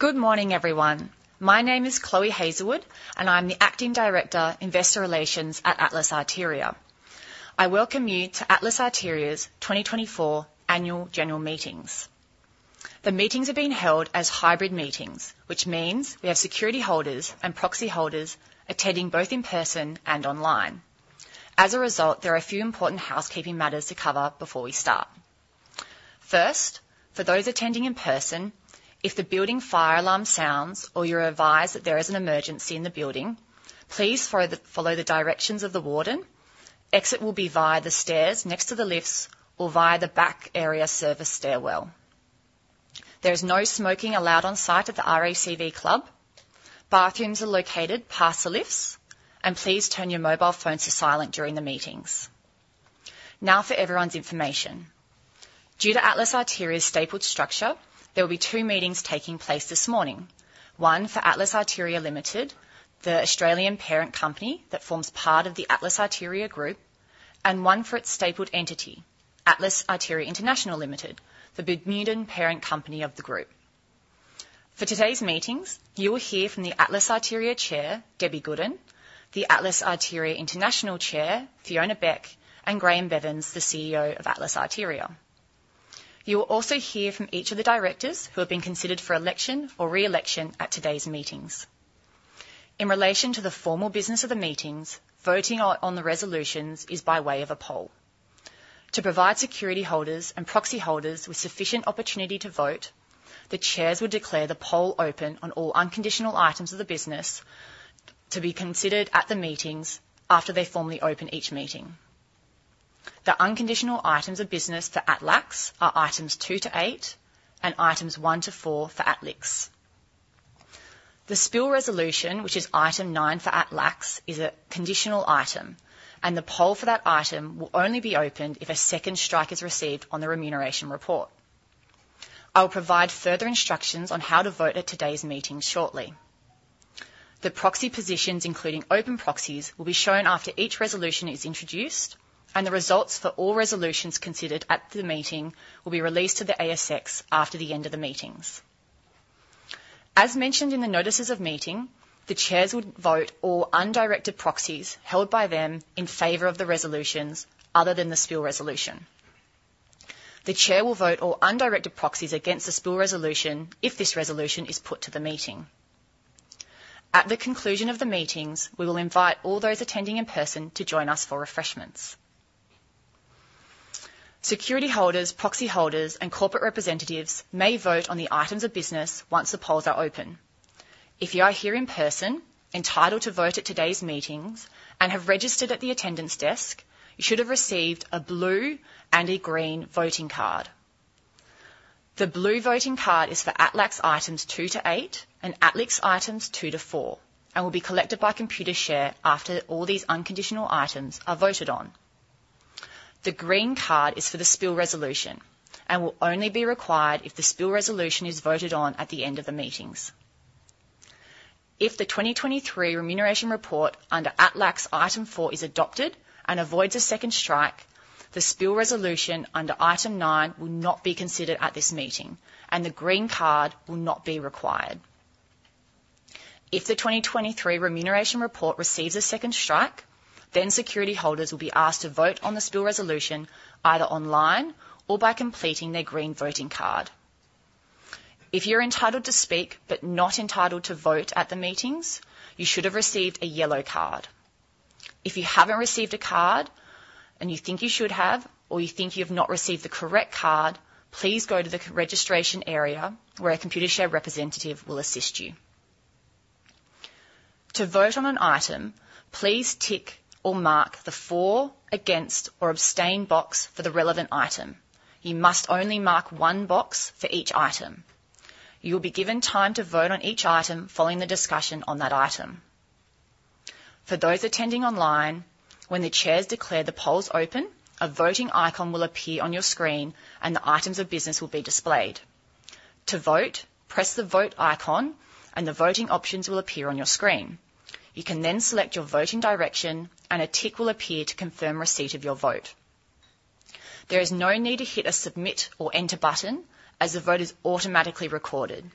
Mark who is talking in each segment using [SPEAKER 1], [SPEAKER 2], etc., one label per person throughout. [SPEAKER 1] Good morning, everyone. My name is Chloe Heazlewood, and I'm the Acting Director, Investor Relations at Atlas Arteria. I welcome you to Atlas Arteria's 2024 Annual General Meetings. The meetings are being held as hybrid meetings, which means we have security holders and proxy holders attending both in person and online. As a result, there are a few important housekeeping matters to cover before we start. First, for those attending in person, if the building fire alarm sounds or you're advised that there is an emergency in the building, please follow the directions of the warden. Exit will be via the stairs next to the lifts or via the back area service stairwell. There is no smoking allowed on site at the RACV Club. Bathrooms are located past the lifts, and please turn your mobile phones to silent during the meetings. Now, for everyone's information. Due to Atlas Arteria's stapled structure, there will be two meetings taking place this morning. One for Atlas Arteria Limited, the Australian parent company that forms part of the Atlas Arteria Group, and one for its stapled entity, Atlas Arteria International Limited, the Bermudian parent company of the group. For today's meetings, you will hear from the Atlas Arteria Chair, Debbie Goodin, the Atlas Arteria International Chair, Fiona Beck, and Graeme Bevans, the CEO of Atlas Arteria. You will also hear from each of the directors who have been considered for election or re-election at today's meetings. In relation to the formal business of the meetings, voting on the resolutions is by way of a poll. To provide security holders and proxy holders with sufficient opportunity to vote, the chairs will declare the poll open on all unconditional items of the business to be considered at the meetings after they formally open each meeting. The unconditional items of business for ATLAX are items 2-8, and items 1-4 for ATLIX. The spill resolution, which is item 9 for ATLAX, is a conditional item, and the poll for that item will only be opened if a second strike is received on the remuneration report. I will provide further instructions on how to vote at today's meeting shortly. The proxy positions, including open proxies, will be shown after each resolution is introduced, and the results for all resolutions considered at the meeting will be released to the ASX after the end of the meetings. As mentioned in the notices of meeting, the chairs would vote all undirected proxies held by them in favor of the resolutions other than the spill resolution. The chair will vote all undirected proxies against the spill resolution if this resolution is put to the meeting. At the conclusion of the meetings, we will invite all those attending in person to join us for refreshments. Security holders, proxy holders, and corporate representatives may vote on the items of business once the polls are open. If you are here in person, entitled to vote at today's meetings, and have registered at the attendance desk, you should have received a blue and a green voting card. The blue voting card is for ATLAX items 2-8 and ATLIX items 2-4, and will be collected by Computershare after all these unconditional items are voted on. The green card is for the spill resolution and will only be required if the spill resolution is voted on at the end of the meetings. If the 2023 remuneration report under ATLAX item 4 is adopted and avoids a second strike, the spill resolution under item 9 will not be considered at this meeting, and the green card will not be required. If the 2023 remuneration report receives a second strike, then security holders will be asked to vote on the spill resolution, either online or by completing their green voting card. If you're entitled to speak but not entitled to vote at the meetings, you should have received a yellow card. If you haven't received a card and you think you should have, or you think you have not received the correct card, please go to the check-in registration area, where a Computershare representative will assist you. To vote on an item, please tick or mark the for, against, or abstain box for the relevant item. You must only mark one box for each item. You will be given time to vote on each item following the discussion on that item. For those attending online, when the chairs declare the polls open, a voting icon will appear on your screen, and the items of business will be displayed. To vote, press the Vote icon, and the voting options will appear on your screen. You can then select your voting direction, and a tick will appear to confirm receipt of your vote. There is no need to hit a Submit or Enter button, as the vote is automatically recorded.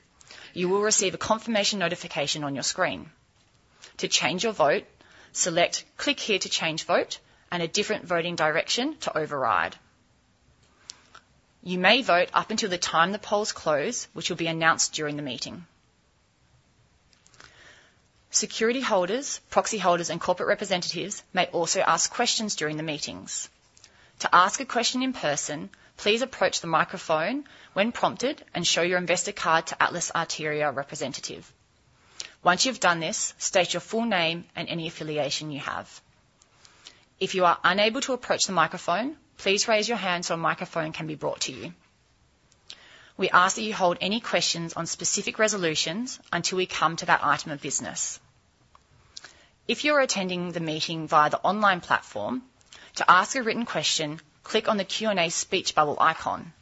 [SPEAKER 1] You will receive a confirmation notification on your screen. To change your vote, select Click here to change vote and a different voting direction to override. You may vote up until the time the polls close, which will be announced during the meeting. Security holders, proxy holders, and corporate representatives may also ask questions during the meetings. To ask a question in person, please approach the microphone when prompted and show your investor card to Atlas Arteria representative. Once you've done this, state your full name and any affiliation you have. If you are unable to approach the microphone, please raise your hand so a microphone can be brought to you. We ask that you hold any questions on specific resolutions until we come to that item of business. If you're attending the meeting via the online platform, to ask a written question, click on the Q&A speech bubble icon.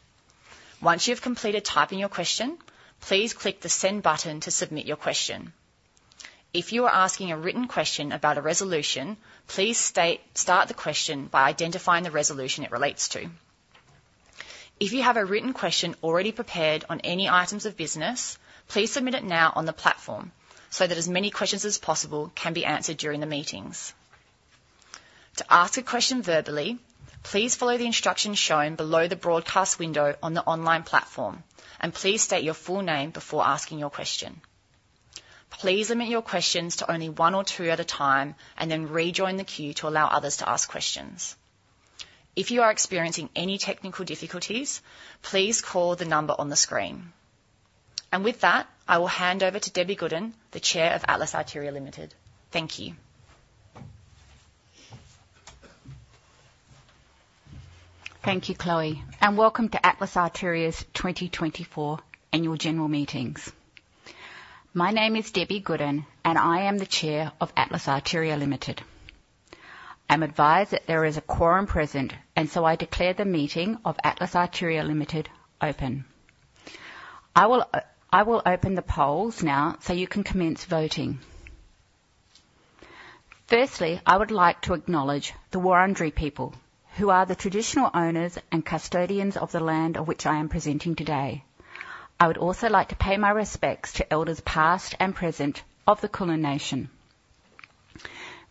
[SPEAKER 1] Once you've completed typing your question, please click the Send button to submit your question. If you are asking a written question about a resolution, please start the question by identifying the resolution it relates to. If you have a written question already prepared on any items of business, please submit it now on the platform, so that as many questions as possible can be answered during the meetings. To ask a question verbally, please follow the instructions shown below the broadcast window on the online platform, and please state your full name before asking your question. Please limit your questions to only one or two at a time, and then rejoin the queue to allow others to ask questions. If you are experiencing any technical difficulties, please call the number on the screen. With that, I will hand over to Debbie Goodin, the Chair of Atlas Arteria Limited. Thank you.
[SPEAKER 2] Thank you, Chloe, and welcome to Atlas Arteria's 2024 annual general meetings. My name is Debbie Goodin, and I am the Chair of Atlas Arteria Limited. I'm advised that there is a quorum present, and so I declare the meeting of Atlas Arteria Limited open. I will, I will open the polls now, so you can commence voting. Firstly, I would like to acknowledge the Wurundjeri people, who are the traditional owners and custodians of the land of which I am presenting today. I would also like to pay my respects to elders, past and present, of the Kulin Nation.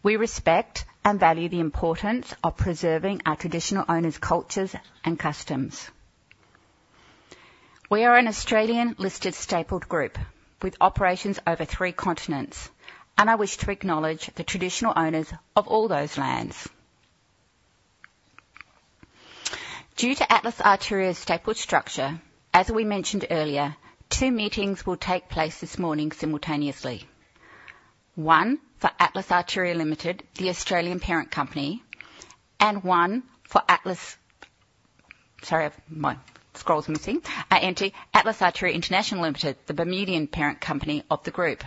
[SPEAKER 2] We respect and value the importance of preserving our traditional owners' cultures and customs. We are an Australian-listed stapled group with operations over three continents, and I wish to acknowledge the traditional owners of all those lands. Due to Atlas Arteria's stapled structure, as we mentioned earlier, two meetings will take place this morning simultaneously. One for Atlas Arteria Limited, the Australian parent company, and one for Atlas... Sorry, my scroll's missing. entity, Atlas Arteria International Limited, the Bermudian parent company of the group.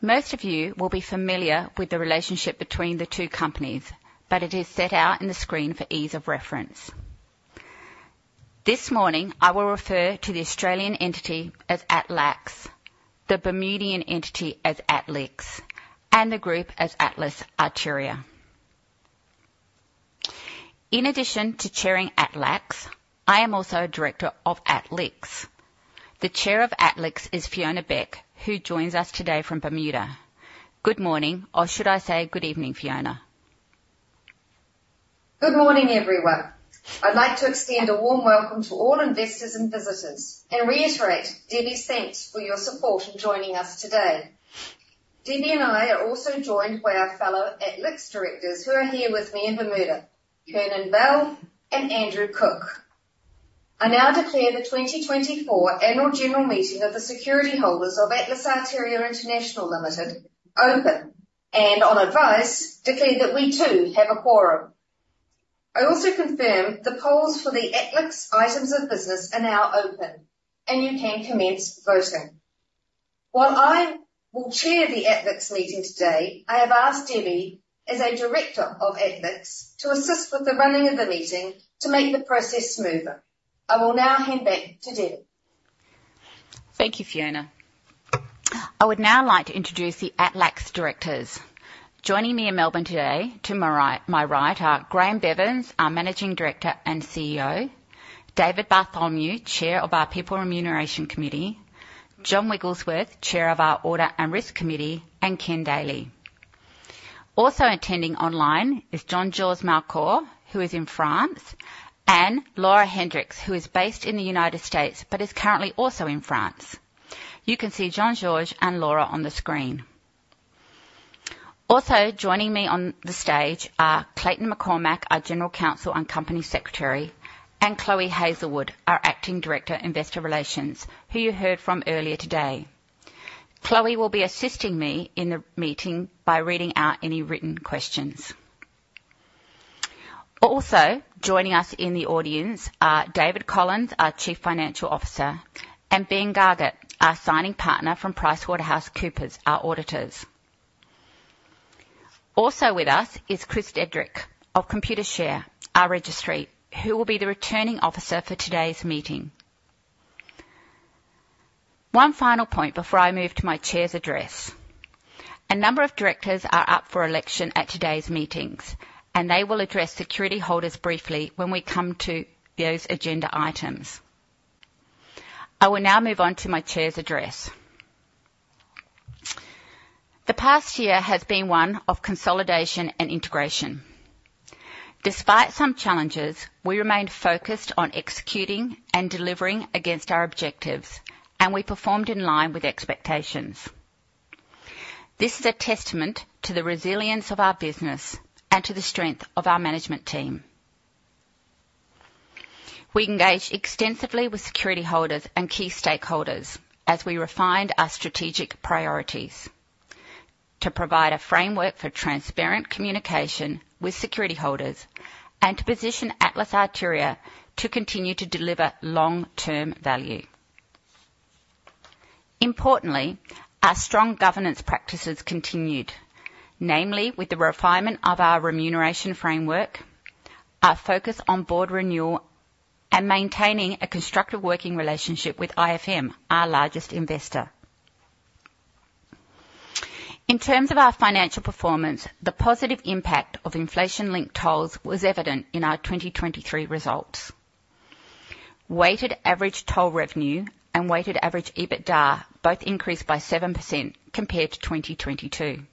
[SPEAKER 2] Most of you will be familiar with the relationship between the two companies, but it is set out in the screen for ease of reference. This morning, I will refer to the Australian entity as ATLAX, the Bermudian entity as ATLIX, and the group as Atlas Arteria. In addition to chairing ATLAX, I am also a director of ATLIX. The chair of ATLIX is Fiona Beck, who joins us today from Bermuda. Good morning, or should I say good evening, Fiona?
[SPEAKER 3] Good morning, everyone. I'd like to extend a warm welcome to all investors and visitors and reiterate Debbie's thanks for your support in joining us today. Debbie and I are also joined by our fellow ATLIX directors who are here with me in Bermuda, Kiernan Bell and Andrew Cook. I now declare the 2024 annual general meeting of the security holders of Atlas Arteria International Limited open, and on advice, declare that we, too, have a quorum. I also confirm the polls for the ATLIX items of business are now open, and you can commence voting. While I will chair the ATLIX meeting today, I have asked Debbie, as a director of ATLIX, to assist with the running of the meeting to make the process smoother. I will now hand back to Debbie.
[SPEAKER 2] Thank you, Fiona. I would now like to introduce the ATLAX directors. Joining me in Melbourne today, to my right, are Graeme Bevans, our Managing Director and CEO, David Bartholomew, Chair of our People Remuneration Committee, John Wigglesworth, Chair of our Audit and Risk Committee, and Ken Daley. Also attending online is Jean-Georges Malcor, who is in France, and Laura Hendricks, who is based in the United States, but is currently also in France. You can see Jean-Georges and Laura on the screen. Also joining me on the stage are Clayton McCormack, our General Counsel and Company Secretary, and Chloe Heazlewood, our Acting Director, Investor Relations, who you heard from earlier today. Chloe will be assisting me in the meeting by reading out any written questions. Also joining us in the audience are David Collins, our Chief Financial Officer, and Ben Gargett, our Signing Partner from PricewaterhouseCoopers, our auditors. Also with us is Chris Dedrick of Computershare, our registry, who will be the Returning Officer for today's meeting. One final point before I move to my chair's address. A number of directors are up for election at today's meetings, and they will address security holders briefly when we come to those agenda items. I will now move on to my chair's address. The past year has been one of consolidation and integration. Despite some challenges, we remained focused on executing and delivering against our objectives, and we performed in line with expectations. This is a testament to the resilience of our business and to the strength of our management team. We engaged extensively with security holders and key stakeholders as we refined our strategic priorities to provide a framework for transparent communication with security holders and to position Atlas Arteria to continue to deliver long-term value. Importantly, our strong governance practices continued, namely with the refinement of our remuneration framework. Our focus on board renewal and maintaining a constructive working relationship with IFM, our largest investor. In terms of our financial performance, the positive impact of inflation-linked tolls was evident in our 2023 results. Weighted average toll revenue and weighted average EBITDA both increased by 7% compared to 2022.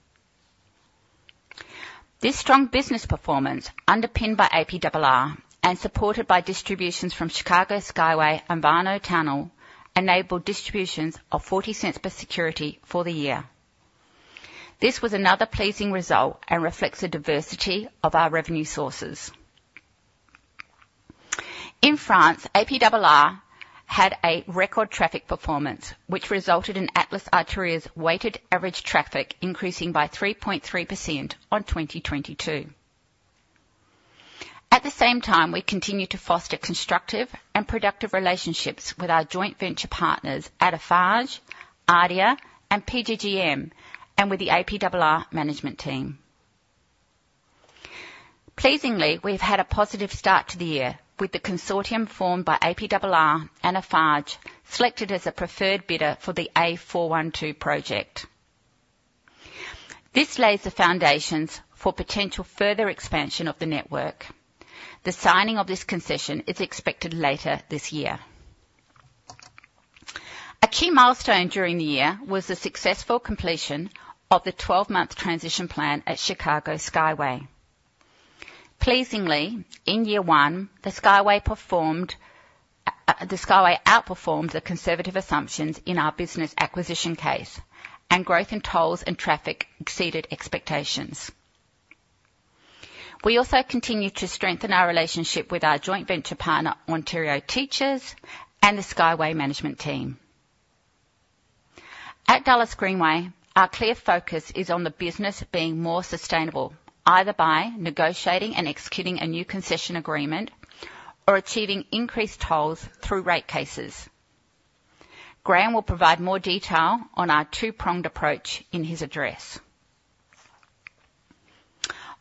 [SPEAKER 2] This strong business performance, underpinned by APRR and supported by distributions from Chicago Skyway and Warnow Tunnel, enabled distributions of 0.40 per security for the year. This was another pleasing result and reflects the diversity of our revenue sources. In France, APRR had a record traffic performance, which resulted in Atlas Arteria's weighted average traffic increasing by 3.3% on 2022. At the same time, we continue to foster constructive and productive relationships with our joint venture partners, Eiffage, AREA, and PGGM, and with the APRR management team. Pleasingly, we've had a positive start to the year, with the consortium formed by APRR and Eiffage selected as a preferred bidder for the A412 project. This lays the foundations for potential further expansion of the network. The signing of this concession is expected later this year. A key milestone during the year was the successful completion of the 12-month transition plan at Chicago Skyway. Pleasingly, in year one, the Skyway performed, the Skyway outperformed the conservative assumptions in our business acquisition case, and growth in tolls and traffic exceeded expectations. We also continued to strengthen our relationship with our joint venture partner, Ontario Teachers, and the Skyway management team. At Dulles Greenway, our clear focus is on the business being more sustainable, either by negotiating and executing a new concession agreement or achieving increased tolls through rate cases. Graeme will provide more detail on our two-pronged approach in his address.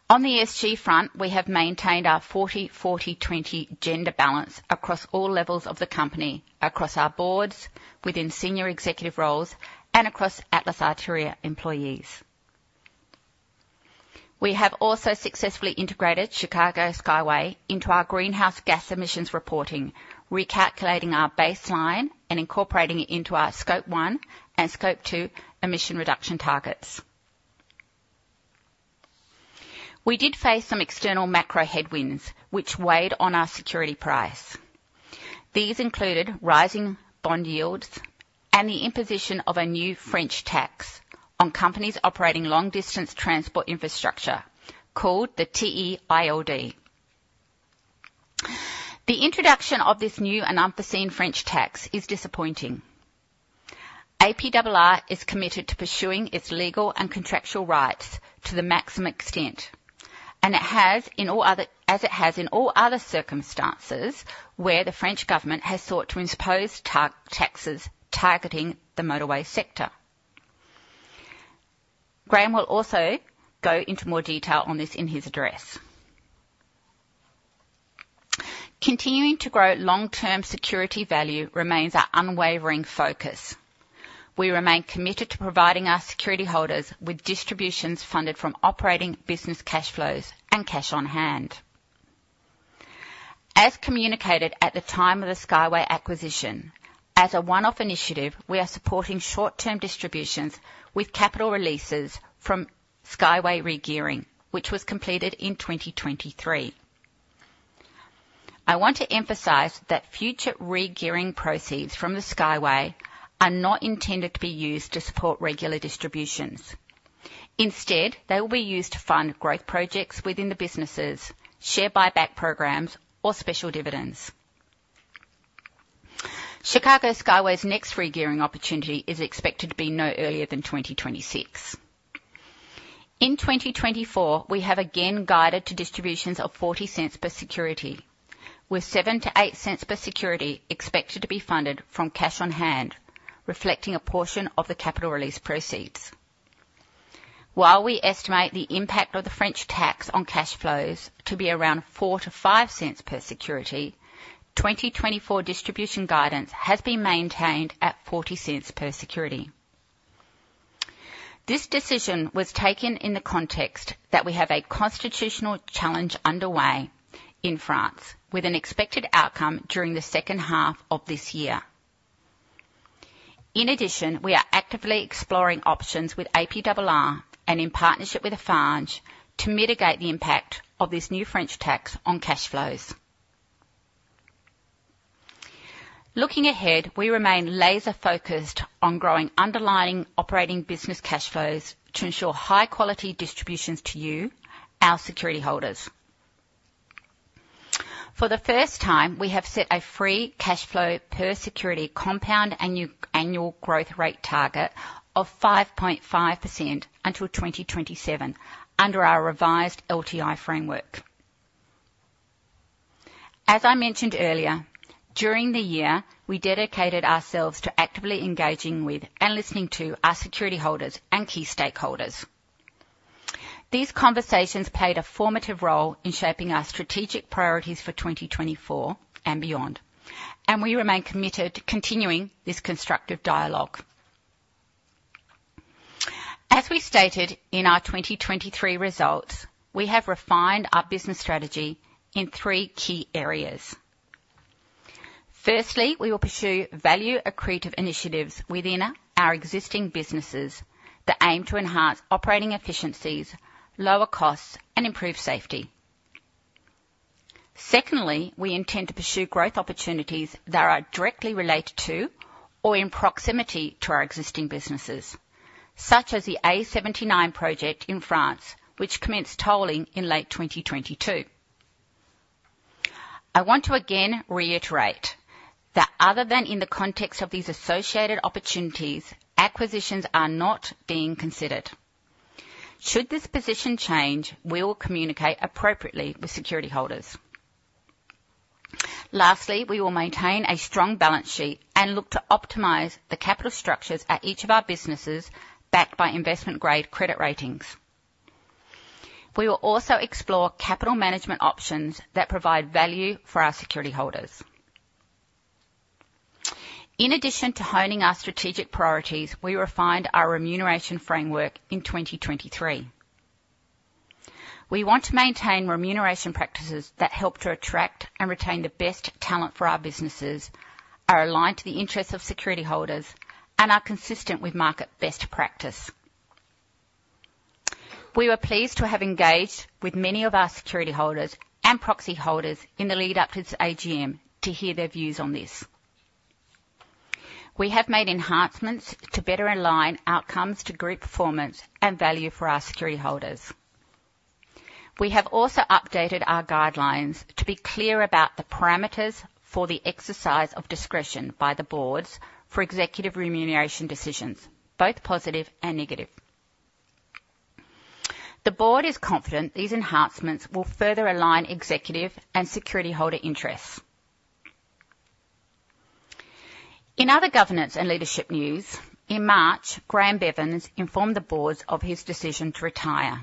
[SPEAKER 2] On the ESG front, we have maintained our 40/40/20 gender balance across all levels of the company, across our boards, within senior executive roles, and across Atlas Arteria employees. We have also successfully integrated Chicago Skyway into our greenhouse gas emissions reporting, recalculating our baseline and incorporating it into our Scope 1 and Scope 2 emission reduction targets. We did face some external macro headwinds which weighed on our security price. These included rising bond yields and the imposition of a new French tax on companies operating long-distance transport infrastructure, called the TEILD. The introduction of this new and unforeseen French tax is disappointing. APRR is committed to pursuing its legal and contractual rights to the maximum extent, and it has in all other circumstances, where the French government has sought to impose taxes targeting the motorway sector. Graeme will also go into more detail on this in his address. Continuing to grow long-term security value remains our unwavering focus. We remain committed to providing our security holders with distributions funded from operating business cash flows and cash on hand. As communicated at the time of the Skyway acquisition, as a one-off initiative, we are supporting short-term distributions with capital releases from Skyway regearing, which was completed in 2023. I want to emphasize that future regearing proceeds from the Skyway are not intended to be used to support regular distributions. Instead, they will be used to fund growth projects within the businesses, share buyback programs or special dividends. Chicago Skyway's next regearing opportunity is expected to be no earlier than 2026. In 2024, we have again guided to distributions of 0.40 per security, with 0.07-0.08 per security expected to be funded from cash on hand, reflecting a portion of the capital release proceeds. While we estimate the impact of the French tax on cash flows to be around 0.04-0.05 per security, 2024 distribution guidance has been maintained at 0.40 per security. This decision was taken in the context that we have a constitutional challenge underway in France, with an expected outcome during the second half of this year. In addition, we are actively exploring options with APRR and in partnership with Eiffage, to mitigate the impact of this new French tax on cash flows. Looking ahead, we remain laser focused on growing underlying operating business cash flows to ensure high-quality distributions to you, our security holders. For the first time, we have set a free cash flow per security compound annual growth rate target of 5.5% until 2027 under our revised LTI framework. As I mentioned earlier, during the year, we dedicated ourselves to actively engaging with and listening to our security holders and key stakeholders. These conversations played a formative role in shaping our strategic priorities for 2024 and beyond, and we remain committed to continuing this constructive dialogue. As we stated in our 2023 results, we have refined our business strategy in three key areas. Firstly, we will pursue value accretive initiatives within our existing businesses that aim to enhance operating efficiencies, lower costs and improve safety. Secondly, we intend to pursue growth opportunities that are directly related to or in proximity to our existing businesses, such as the A79 project in France, which commenced tolling in late 2022. I want to again reiterate that other than in the context of these associated opportunities, acquisitions are not being considered. Should this position change, we will communicate appropriately with security holders. Lastly, we will maintain a strong balance sheet and look to optimize the capital structures at each of our businesses, backed by investment-grade credit ratings. We will also explore capital management options that provide value for our security holders. In addition to honing our strategic priorities, we refined our remuneration framework in 2023. We want to maintain remuneration practices that help to attract and retain the best talent for our businesses, are aligned to the interests of security holders, and are consistent with market best practice. We were pleased to have engaged with many of our security holders and proxy holders in the lead up to this AGM to hear their views on this. We have made enhancements to better align outcomes to group performance and value for our security holders. We have also updated our guidelines to be clear about the parameters for the exercise of discretion by the boards for executive remuneration decisions, both positive and negative. The board is confident these enhancements will further align executive and security holder interests. In other governance and leadership news, in March, Graeme Bevans informed the boards of his decision to retire.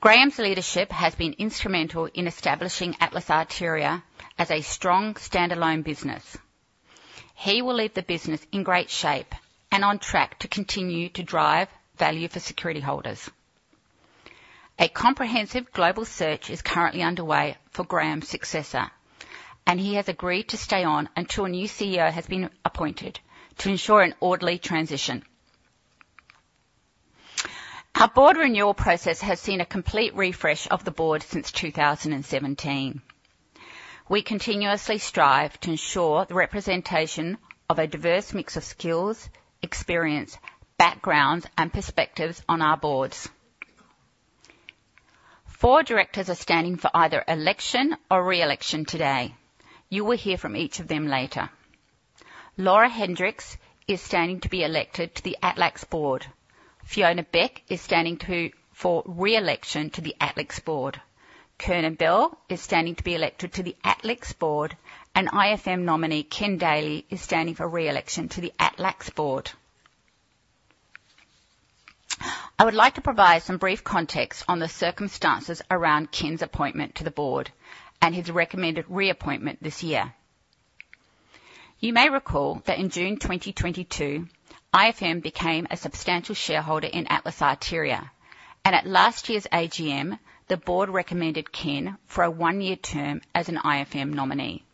[SPEAKER 2] Graeme's leadership has been instrumental in establishing Atlas Arteria as a strong standalone business. He will leave the business in great shape and on track to continue to drive value for security holders. A comprehensive global search is currently underway for Graeme's successor, and he has agreed to stay on until a new CEO has been appointed to ensure an orderly transition. Our board renewal process has seen a complete refresh of the board since 2017. We continuously strive to ensure the representation of a diverse mix of skills, experience, backgrounds, and perspectives on our boards. Four directors are standing for either election or re-election today. You will hear from each of them later. Laura Hendricks is standing to be elected to the ATLAX board. Fiona Beck is standing for re-election to the ATLAX board. Kiernan Bell is standing to be elected to the ATLAX board, and IFM nominee, Ken Daley, is standing for re-election to the ATLAX board. I would like to provide some brief context on the circumstances around Ken's appointment to the board and his recommended reappointment this year. You may recall that in June 2022, IFM became a substantial shareholder in Atlas Arteria, and at last year's AGM, the board recommended Ken for a 1-year term as an IFM nominee.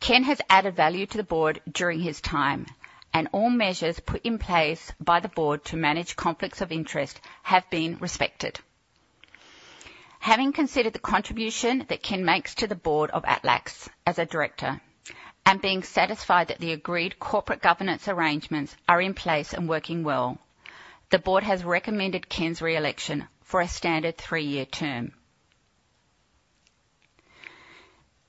[SPEAKER 2] Ken has added value to the board during his time, and all measures put in place by the board to manage conflicts of interest have been respected. Having considered the contribution that Ken makes to the board of ATLAX as a director, and being satisfied that the agreed corporate governance arrangements are in place and working well, the board has recommended Ken's re-election for a standard 3-year term.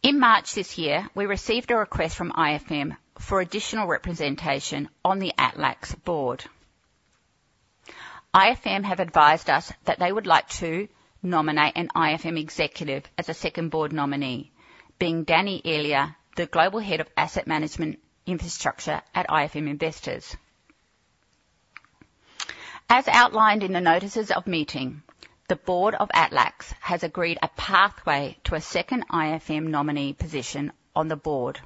[SPEAKER 2] In March this year, we received a request from IFM for additional representation on the ATLAX board. IFM have advised us that they would like to nominate an IFM executive as a second board nominee, being Danny Elia, the Global Head of Asset Management Infrastructure at IFM Investors. As outlined in the notices of meeting, the board of ATLAX has agreed a pathway to a second IFM nominee position on the board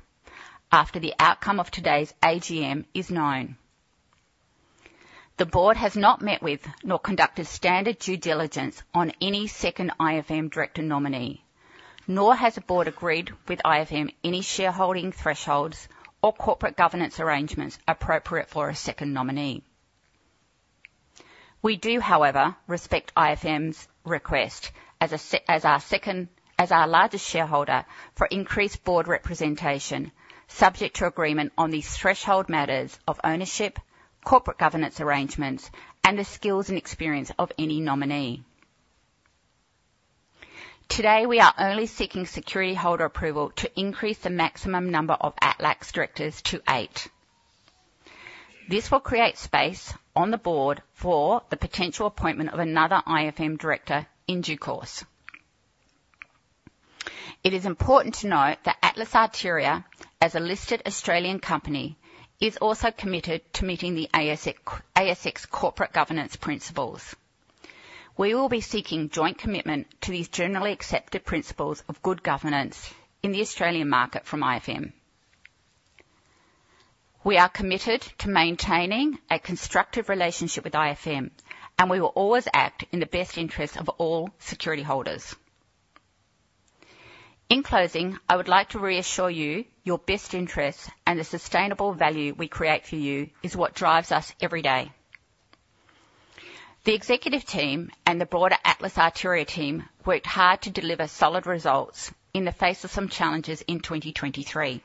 [SPEAKER 2] after the outcome of today's AGM is known. The board has not met with, nor conducted standard due diligence on any second IFM director nominee, nor has the board agreed with IFM any shareholding thresholds or corporate governance arrangements appropriate for a second nominee. We do, however, respect IFM's request as our largest shareholder, for increased board representation, subject to agreement on these threshold matters of ownership, corporate governance arrangements, and the skills and experience of any nominee. Today, we are only seeking security holder approval to increase the maximum number of ATLAX directors to eight. This will create space on the board for the potential appointment of another IFM director in due course. It is important to note that Atlas Arteria, as a listed Australian company, is also committed to meeting the ASX corporate governance principles. We will be seeking joint commitment to these generally accepted principles of good governance in the Australian market from IFM. We are committed to maintaining a constructive relationship with IFM, and we will always act in the best interest of all security holders. In closing, I would like to reassure you, your best interests and the sustainable value we create for you is what drives us every day. The executive team and the broader Atlas Arteria team worked hard to deliver solid results in the face of some challenges in 2023.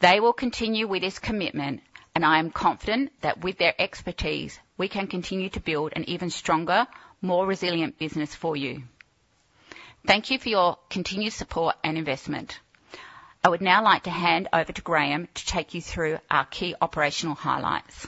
[SPEAKER 2] They will continue with this commitment, and I am confident that with their expertise, we can continue to build an even stronger, more resilient business for you. Thank you for your continued support and investment. I would now like to hand over to Graeme to take you through our key operational highlights.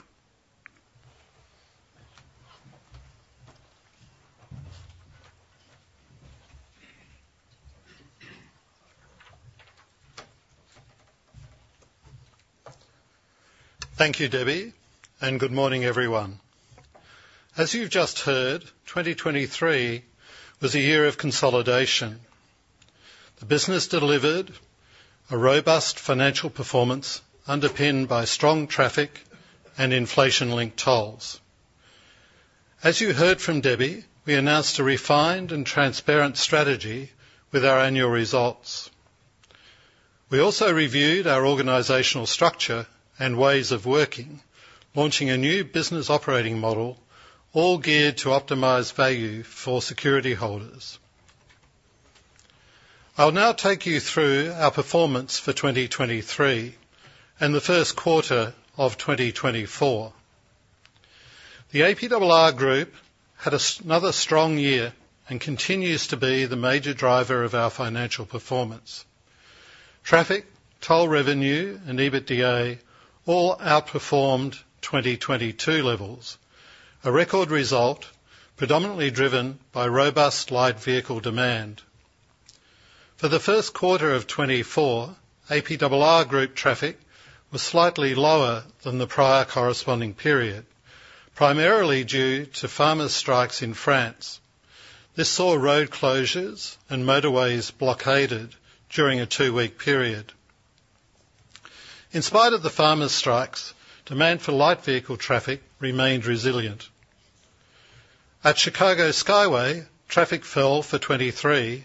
[SPEAKER 4] Thank you, Debbie, and good morning, everyone. As you've just heard, 2023 was a year of consolidation. The business delivered a robust financial performance underpinned by strong traffic and inflation-linked tolls. As you heard from Debbie, we announced a refined and transparent strategy with our annual results. We also reviewed our organizational structure and ways of working, launching a new business operating model, all geared to optimize value for security holders. I'll now take you through our performance for 2023 and the first quarter of 2024. The APRR Group had another strong year and continues to be the major driver of our financial performance. Traffic, toll revenue, and EBITDA all outperformed 2022 levels, a record result predominantly driven by robust light vehicle demand. For the first quarter of 2024, APRR Group traffic was slightly lower than the prior corresponding period, primarily due to farmer strikes in France. This saw road closures and motorways blockaded during a 2-week period. In spite of the farmer strikes, demand for light vehicle traffic remained resilient. At Chicago Skyway, traffic fell for 2023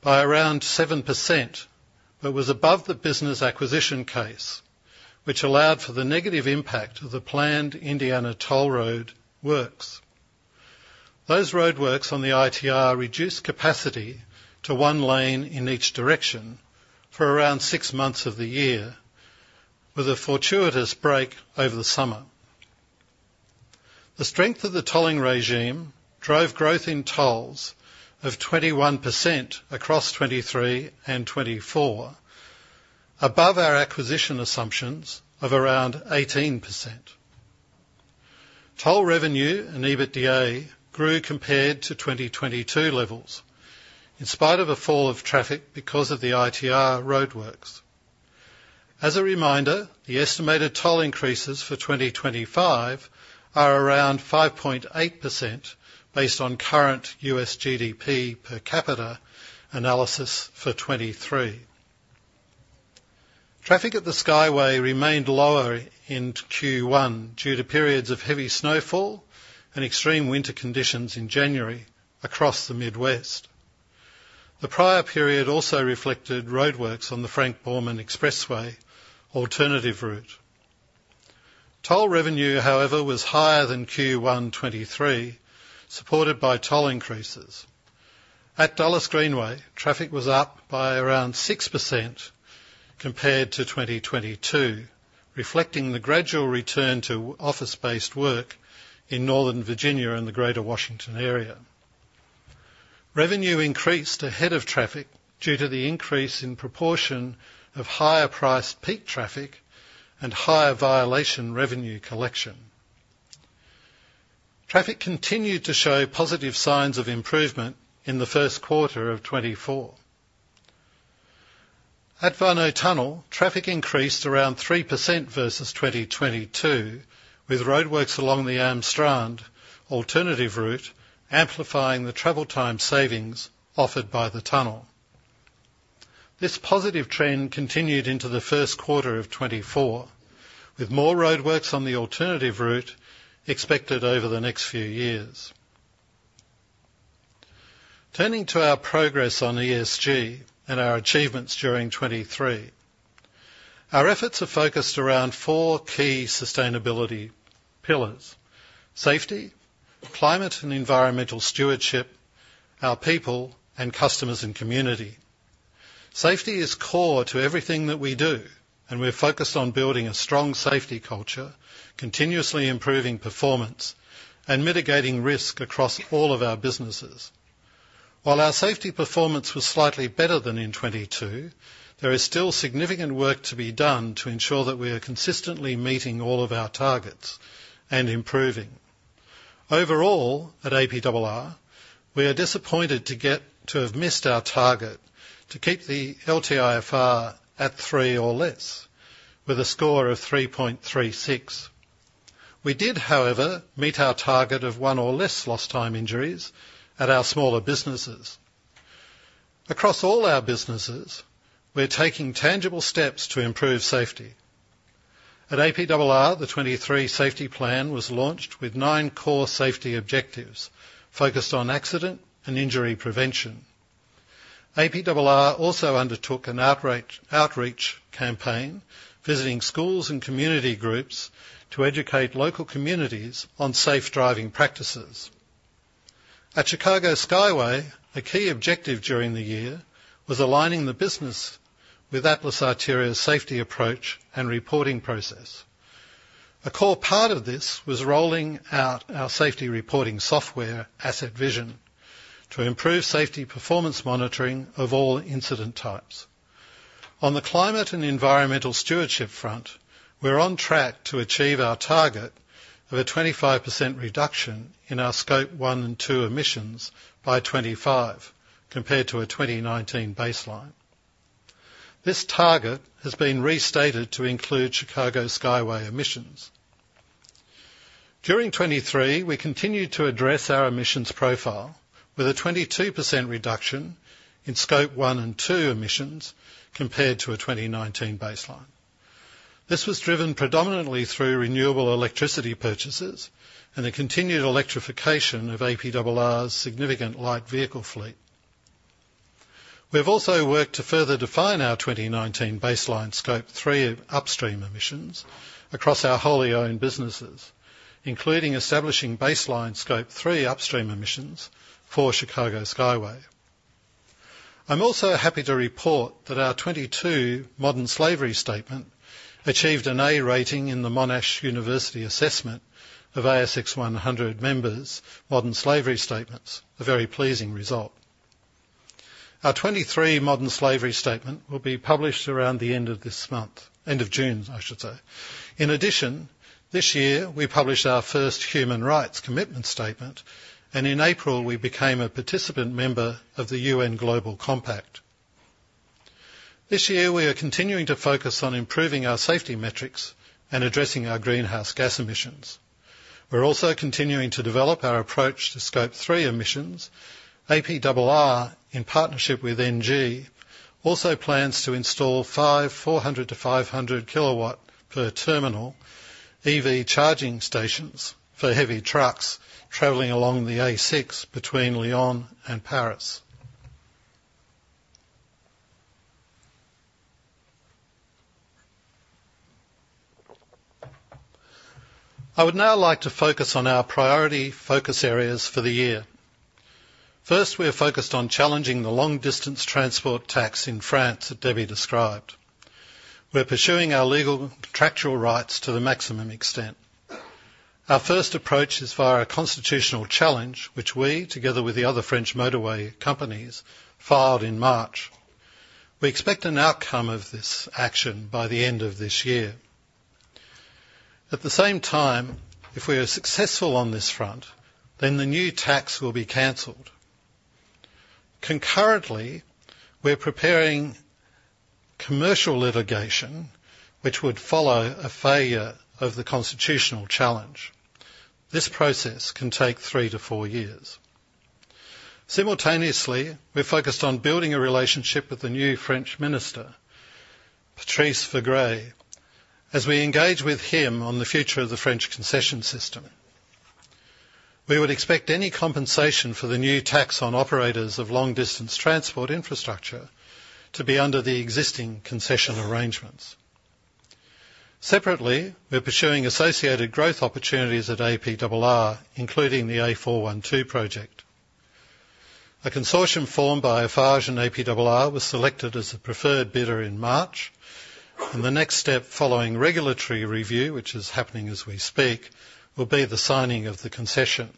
[SPEAKER 4] by around 7%, but was above the business acquisition case, which allowed for the negative impact of the planned Indiana Toll Road works. Those roadworks on the ITR reduced capacity to 1 lane in each direction for around 6 months of the year, with a fortuitous break over the summer. The strength of the tolling regime drove growth in tolls of 21% across 2023 and 2024, above our acquisition assumptions of around 18%. Toll revenue and EBITDA grew compared to 2022 levels, in spite of a fall of traffic because of the ITR roadworks. As a reminder, the estimated toll increases for 2025 are around 5.8% based on current US GDP per capita analysis for 2023. Traffic at the Skyway remained lower in Q1 due to periods of heavy snowfall and extreme winter conditions in January across the Midwest. The prior period also reflected roadworks on the Frank Borman Expressway alternative route. Toll revenue, however, was higher than Q1 2023, supported by toll increases. At Dulles Greenway, traffic was up by around 6% compared to 2022, reflecting the gradual return to office-based work in Northern Virginia and the Greater Washington area. Revenue increased ahead of traffic due to the increase in proportion of higher-priced peak traffic and higher violation revenue collection. Traffic continued to show positive signs of improvement in the first quarter of 2024. At Warnow Tunnel, traffic increased around 3% versus 2022, with roadworks along the Am Strande alternative route amplifying the travel time savings offered by the tunnel. This positive trend continued into the first quarter of 2024, with more roadworks on the alternative route expected over the next few years. Turning to our progress on ESG and our achievements during 2023, our efforts are focused around four key sustainability pillars: safety, climate and environmental stewardship, our people, and customers and community. Safety is core to everything that we do, and we're focused on building a strong safety culture, continuously improving performance, and mitigating risk across all of our businesses. While our safety performance was slightly better than in 2022, there is still significant work to be done to ensure that we are consistently meeting all of our targets and improving. Overall, at APRR, we are disappointed to have missed our target to keep the LTIFR at 3 or less, with a score of 3.36. We did, however, meet our target of 1 or less lost time injuries at our smaller businesses. Across all our businesses, we're taking tangible steps to improve safety. At APRR, the 2023 safety plan was launched with 9 core safety objectives focused on accident and injury prevention. APRR also undertook an outreach campaign, visiting schools and community groups to educate local communities on safe driving practices. At Chicago Skyway, a key objective during the year was aligning the business with Atlas Arteria's safety approach and reporting process. A core part of this was rolling out our safety reporting software, Asset Vision, to improve safety performance monitoring of all incident types. On the climate and environmental stewardship front, we're on track to achieve our target of a 25% reduction in our Scope 1 and 2 emissions by 2025, compared to a 2019 baseline. This target has been restated to include Chicago Skyway emissions. During 2023, we continued to address our emissions profile with a 22% reduction in Scope 1 and 2 emissions, compared to a 2019 baseline. This was driven predominantly through renewable electricity purchases and the continued electrification of APRR's significant light vehicle fleet. We have also worked to further define our 2019 baseline scope three upstream emissions across our wholly owned businesses, including establishing baseline scope three upstream emissions for Chicago Skyway. I'm also happy to report that our 2022 modern slavery statement achieved an A rating in the Monash University assessment of ASX 100 members modern slavery statements, a very pleasing result. Our 2023 modern slavery statement will be published around the end of this month, end of June, I should say. In addition, this year, we published our first human rights commitment statement, and in April, we became a participant member of the UN Global Compact. This year, we are continuing to focus on improving our safety metrics and addressing our greenhouse gas emissions. We're also continuing to develop our approach to Scope 3 emissions. APRR, in partnership with Engie, also plans to install five 400-500 kW per terminal EV charging stations for heavy trucks traveling along the A6 between Lyon and Paris. I would now like to focus on our priority focus areas for the year. First, we are focused on challenging the long-distance transport tax in France that Debbie described. We're pursuing our legal contractual rights to the maximum extent. Our first approach is via a constitutional challenge, which we, together with the other French motorway companies, filed in March. We expect an outcome of this action by the end of this year. At the same time, if we are successful on this front, then the new tax will be canceled. Concurrently, we're preparing commercial litigation, which would follow a failure of the constitutional challenge. This process can take 3-4 years. Simultaneously, we're focused on building a relationship with the new French minister, Patrice Vergriete, as we engage with him on the future of the French concession system. We would expect any compensation for the new tax on operators of long-distance transport infrastructure to be under the existing concession arrangements. Separately, we're pursuing associated growth opportunities at APRR, including the A412 project. A consortium formed by Eiffage and APRR was selected as the preferred bidder in March, and the next step following regulatory review, which is happening as we speak, will be the signing of the concession.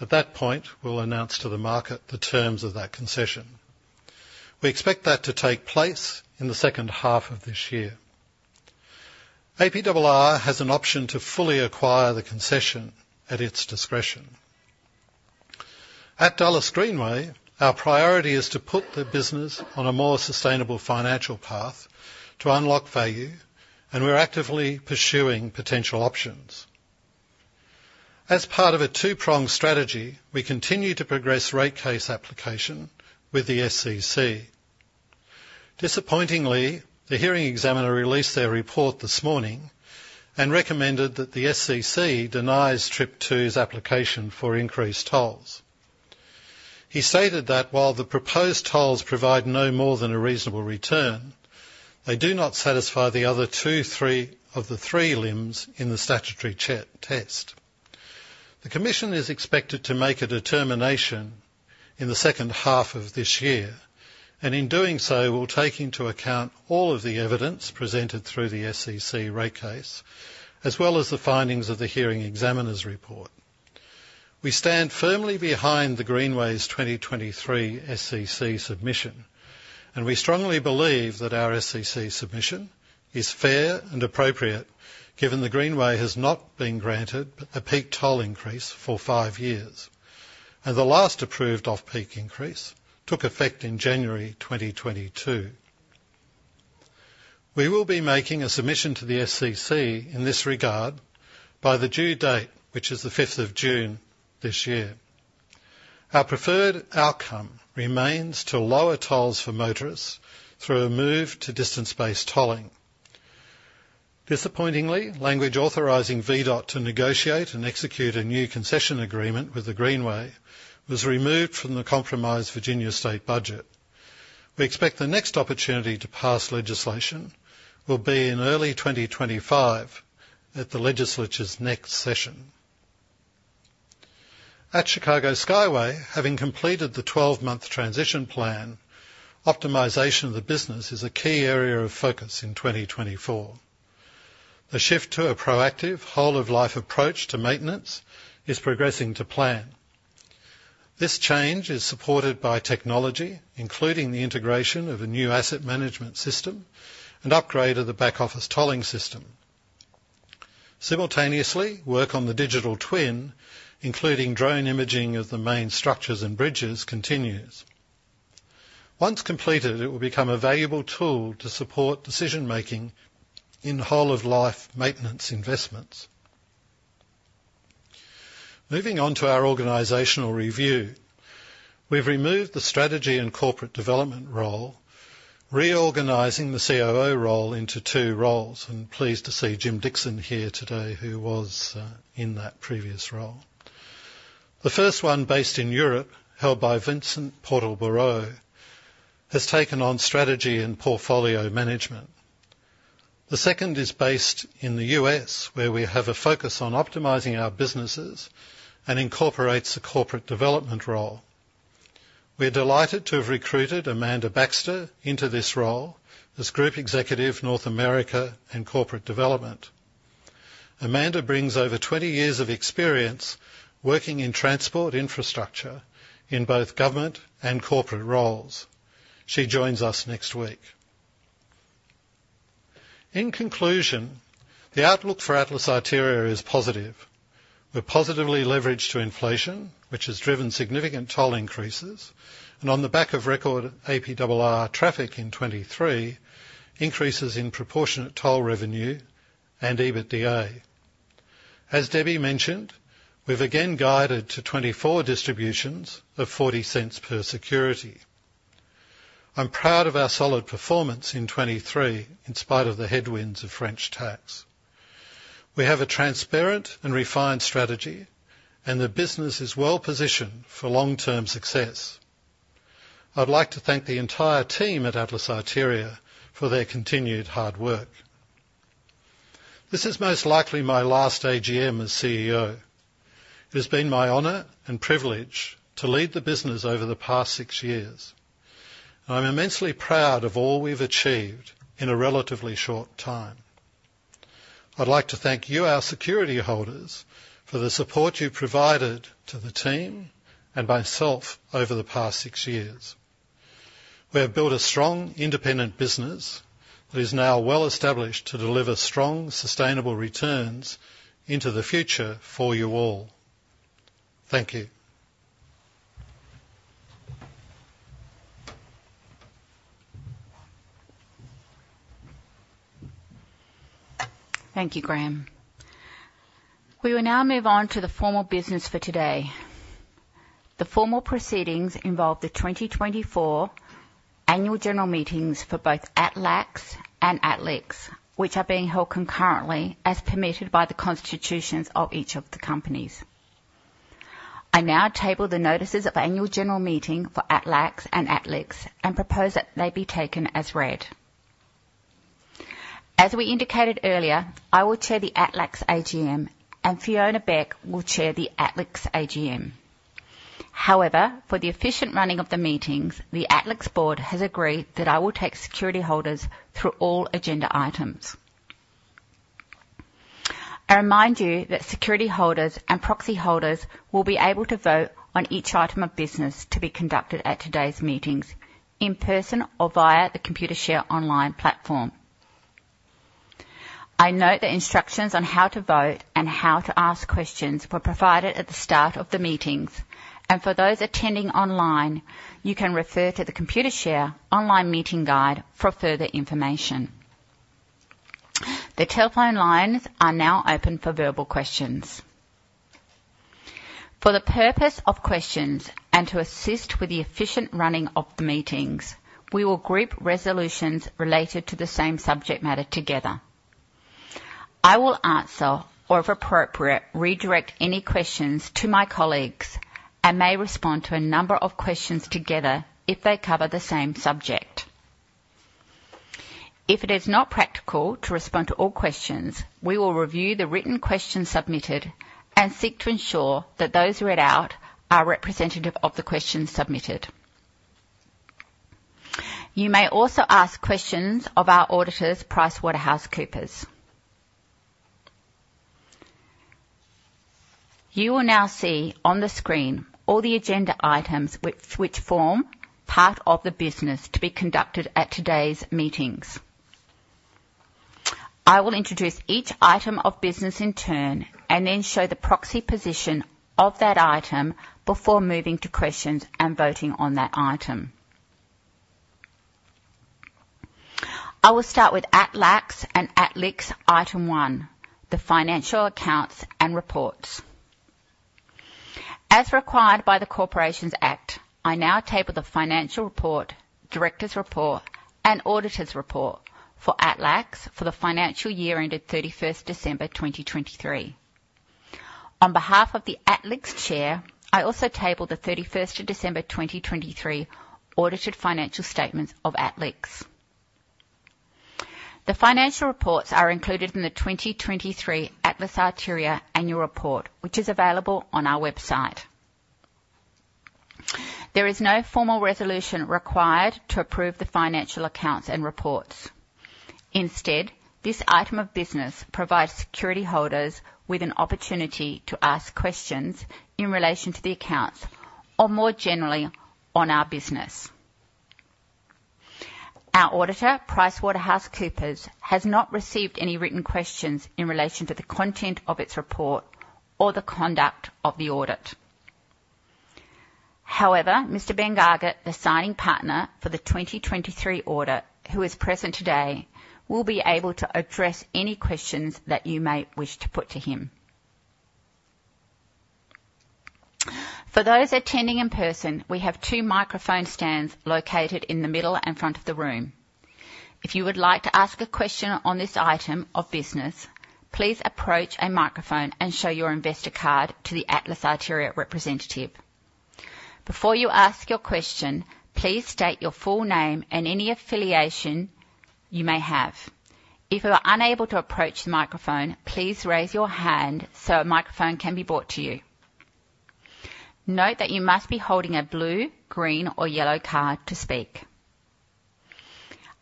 [SPEAKER 4] At that point, we'll announce to the market the terms of that concession. We expect that to take place in the second half of this year. APRR has an option to fully acquire the concession at its discretion. At Dulles Greenway, our priority is to put the business on a more sustainable financial path to unlock value, and we're actively pursuing potential options. As part of a two-pronged strategy, we continue to progress rate case application with the SCC. Disappointingly, the hearing examiner released their report this morning and recommended that the SCC denies TRIP II's application for increased tolls. He stated that while the proposed tolls provide no more than a reasonable return, they do not satisfy the other two of the three limbs in the statutory test. The commission is expected to make a determination in the second half of this year, and in doing so, will take into account all of the evidence presented through the SCC rate case, as well as the findings of the hearing examiner's report. We stand firmly behind the Greenway's 2023 SCC submission, and we strongly believe that our SCC submission is fair and appropriate, given the Greenway has not been granted a peak toll increase for five years, and the last approved off-peak increase took effect in January 2022. We will be making a submission to the SCC in this regard by the due date, which is the 5th of June this year. Our preferred outcome remains to lower tolls for motorists through a move to distance-based tolling. Disappointingly, language authorizing VDOT to negotiate and execute a new concession agreement with the Greenway was removed from the compromised Virginia state budget. We expect the next opportunity to pass legislation will be in early 2025 at the legislature's next session. At Chicago Skyway, having completed the 12-month transition plan, optimization of the business is a key area of focus in 2024. The shift to a proactive whole of life approach to maintenance is progressing to plan. This change is supported by technology, including the integration of a new asset management system and upgrade of the back office tolling system. Simultaneously, work on the digital twin, including drone imaging of the main structures and bridges, continues. Once completed, it will become a valuable tool to support decision-making in whole of life maintenance investments. Moving on to our organizational review. We've removed the strategy and corporate development role, reorganizing the COO role into two roles, and pleased to see Jim Dixon here today, who was in that previous role. The first one, based in Europe, held by Vincent Portal-Barrault, has taken on strategy and portfolio management. The second is based in the U.S., where we have a focus on optimizing our businesses and incorporates a corporate development role. We are delighted to have recruited Amanda Baxter into this role as Group Executive, North America and Corporate Development. Amanda brings over 20 years of experience working in transport infrastructure in both government and corporate roles. She joins us next week. In conclusion, the outlook for Atlas Arteria is positive. We're positively leveraged to inflation, which has driven significant toll increases and on the back of record APRR traffic in 2023, increases in proportionate toll revenue and EBITDA. As Debbie mentioned, we've again guided to 2024 distributions of 0.40 per security. I'm proud of our solid performance in 2023, in spite of the headwinds of French tax. We have a transparent and refined strategy, and the business is well positioned for long-term success. I'd like to thank the entire team at Atlas Arteria for their continued hard work. This is most likely my last AGM as CEO. It has been my honor and privilege to lead the business over the past six years. I'm immensely proud of all we've achieved in a relatively short time. I'd like to thank you, our security holders, for the support you've provided to the team and myself over the past six years. We have built a strong, independent business that is now well established to deliver strong, sustainable returns into the future for you all. Thank you.
[SPEAKER 2] Thank you, Graeme. We will now move on to the formal business for today. The formal proceedings involve the 2024 annual general meetings for both ATLAX and ATLIX, which are being held concurrently as permitted by the constitutions of each of the companies. I now table the notices of annual general meeting for ATLAX and ATLIX and propose that they be taken as read. As we indicated earlier, I will chair the ATLAX AGM, and Fiona Beck will chair the ATLIX AGM. However, for the efficient running of the meetings, the ATLAX board has agreed that I will take security holders through all agenda items. I remind you that security holders and proxy holders will be able to vote on each item of business to be conducted at today's meetings, in person or via the Computershare online platform. I note that instructions on how to vote and how to ask questions were provided at the start of the meetings, and for those attending online, you can refer to the Computershare online meeting guide for further information. The telephone lines are now open for verbal questions. For the purpose of questions and to assist with the efficient running of the meetings, we will group resolutions related to the same subject matter together. I will answer or, if appropriate, redirect any questions to my colleagues, and may respond to a number of questions together if they cover the same subject. If it is not practical to respond to all questions, we will review the written questions submitted and seek to ensure that those read out are representative of the questions submitted. You may also ask questions of our auditors, PricewaterhouseCoopers. You will now see on the screen all the agenda items which form part of the business to be conducted at today's meetings. I will introduce each item of business in turn, and then show the proxy position of that item before moving to questions and voting on that item. I will start with ATLAX and ATLIX Item 1, the financial accounts and reports. As required by the Corporations Act, I now table the financial report, directors' report, and auditor's report for ATLAX for the financial year ended 31 December 2023. On behalf of the ATLIX chair, I also table the 31 December 2023 audited financial statements of ATLIX. The financial reports are included in the 2023 Atlas Arteria Annual Report, which is available on our website. There is no formal resolution required to approve the financial accounts and reports. Instead, this item of business provides security holders with an opportunity to ask questions in relation to the accounts or more generally, on our business. Our auditor, PricewaterhouseCoopers, has not received any written questions in relation to the content of its report or the conduct of the audit. However, Mr. Ben Gargett, the signing partner for the 2023 audit, who is present today, will be able to address any questions that you may wish to put to him. For those attending in person, we have two microphone stands located in the middle and front of the room. If you would like to ask a question on this item of business, please approach a microphone and show your investor card to the Atlas Arteria representative. Before you ask your question, please state your full name and any affiliation you may have.
[SPEAKER 1] If you are unable to approach the microphone, please raise your hand so a microphone can be brought to you. Note that you must be holding a blue, green, or yellow card to speak.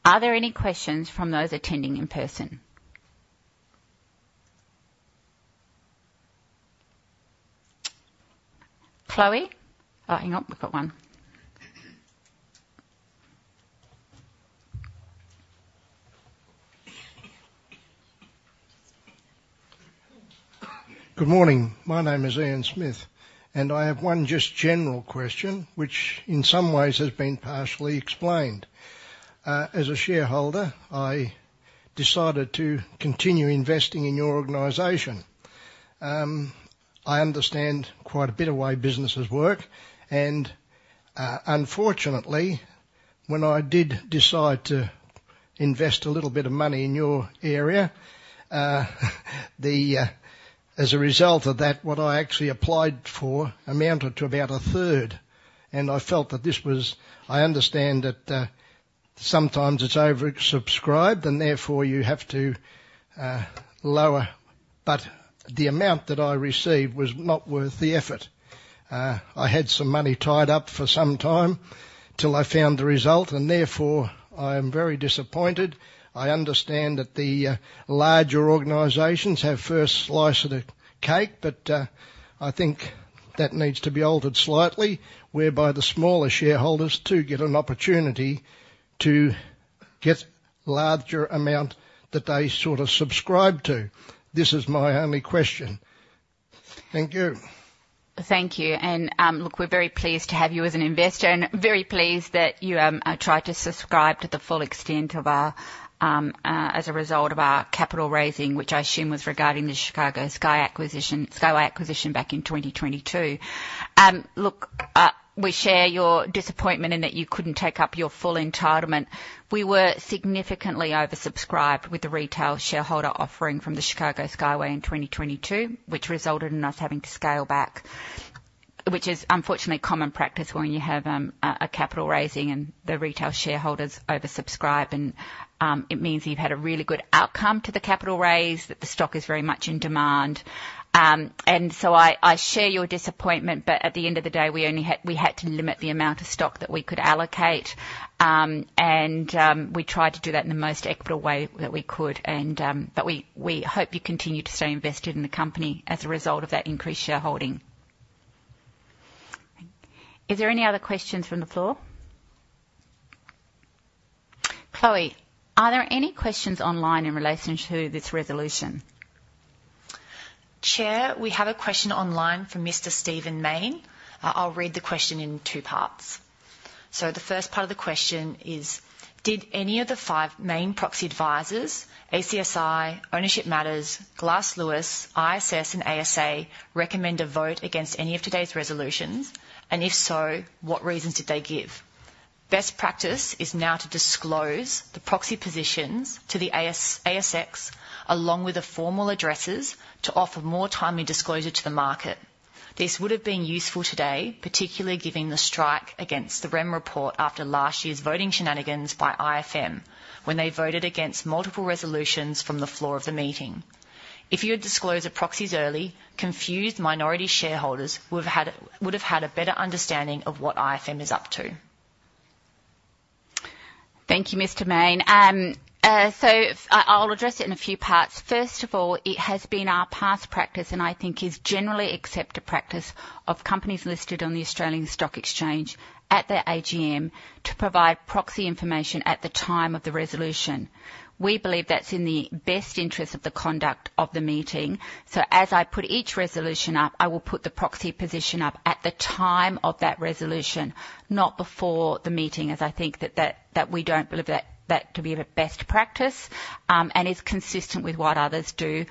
[SPEAKER 1] Are there any questions from those attending in person? Chloe? Oh, hang on, we've got one.
[SPEAKER 5] Good morning. My name is Ian Smith, and I have one just general question, which in some ways has been partially explained. As a shareholder, I decided to continue investing in your organization. I understand quite a bit of way businesses work, and unfortunately, when I did decide to invest a little bit of money in your area, as a result of that, what I actually applied for amounted to about a third, and I felt that this was. I understand that sometimes it's oversubscribed and therefore you have to lower, but the amount that I received was not worth the effort. I had some money tied up for some time till I found the result, and therefore, I am very disappointed. I understand that the larger organizations have first slice of the cake, but I think that needs to be altered slightly, whereby the smaller shareholders too get an opportunity to get larger amount that they sort of subscribe to. This is my only question. Thank you.
[SPEAKER 2] Thank you. And, look, we're very pleased to have you as an investor and very pleased that you tried to subscribe to the full extent of our as a result of our capital raising, which I assume was regarding the Chicago Skyway acquisition back in 2022. Look, we share your disappointment in that you couldn't take up your full entitlement. We were significantly oversubscribed with the retail shareholder offering from the Chicago Skyway in 2022, which resulted in us having to scale back, which is unfortunately common practice when you have a capital raising and the retail shareholders oversubscribe, and it means you've had a really good outcome to the capital raise, that the stock is very much in demand. And so I share your disappointment, but at the end of the day, we had to limit the amount of stock that we could allocate, and we tried to do that in the most equitable way that we could. But we hope you continue to stay invested in the company as a result of that increased shareholding. Is there any other questions from the floor? Chloe, are there any questions online in relation to this resolution?
[SPEAKER 1] Chair, we have a question online from Mr. Stephen Mayne. I'll read the question in two parts. So the first part of the question is: Did any of the five main proxy advisors, ACSI, Ownership Matters, Glass Lewis, ISS, and ASA, recommend a vote against any of today's resolutions? And if so, what reasons did they give? Best practice is now to disclose the proxy positions to the ASX, along with the formal addresses, to offer more timely disclosure to the market. This would have been useful today, particularly giving the strike against the Rem report after last year's voting shenanigans by IFM, when they voted against multiple resolutions from the floor of the meeting. If you had disclosed the proxies early, confused minority shareholders would have had a better understanding of what IFM is up to.
[SPEAKER 2] Thank you, Mr. Mayne. I'll address it in a few parts. First of all, it has been our past practice, and I think is generally accepted practice of companies listed on the Australian Securities Exchange at their AGM to provide proxy information at the time of the resolution. We believe that's in the best interest of the conduct of the meeting. So as I put each resolution up, I will put the proxy position up at the time of that resolution, not before the meeting, as I think that we don't believe that to be the best practice, and is consistent with what others do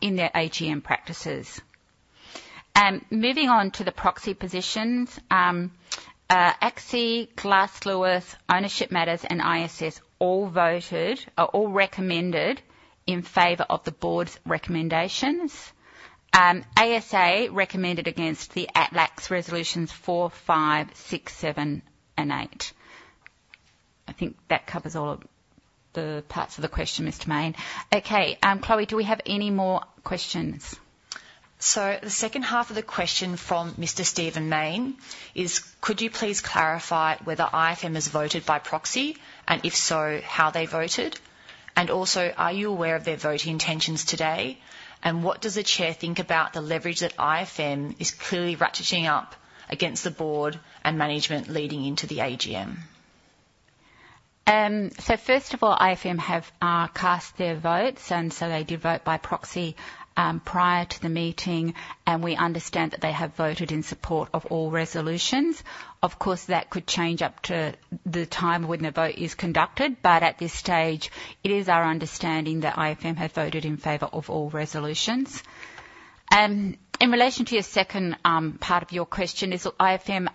[SPEAKER 2] in their AGM practices. Moving on to the proxy positions, ASX, Glass Lewis, Ownership Matters, and ISS all recommended in favor of the board's recommendations. ASA recommended against the Atlas resolutions 4, 5, 6, 7, and 8. I think that covers all of the parts of the question, Mr. Mayne. Okay, Chloe, do we have any more questions?
[SPEAKER 1] So the second half of the question from Mr. Stephen Mayne is: could you please clarify whether IFM is voted by proxy, and if so, how they voted? And also, are you aware of their voting intentions today, and what does the chair think about the leverage that IFM is clearly ratcheting up against the board and management leading into the AGM?
[SPEAKER 2] So first of all, IFM have cast their votes, and so they did vote by proxy prior to the meeting, and we understand that they have voted in support of all resolutions. Of course, that could change up to the time when the vote is conducted, but at this stage, it is our understanding that IFM have voted in favor of all resolutions. In relation to your second part of your question, IFM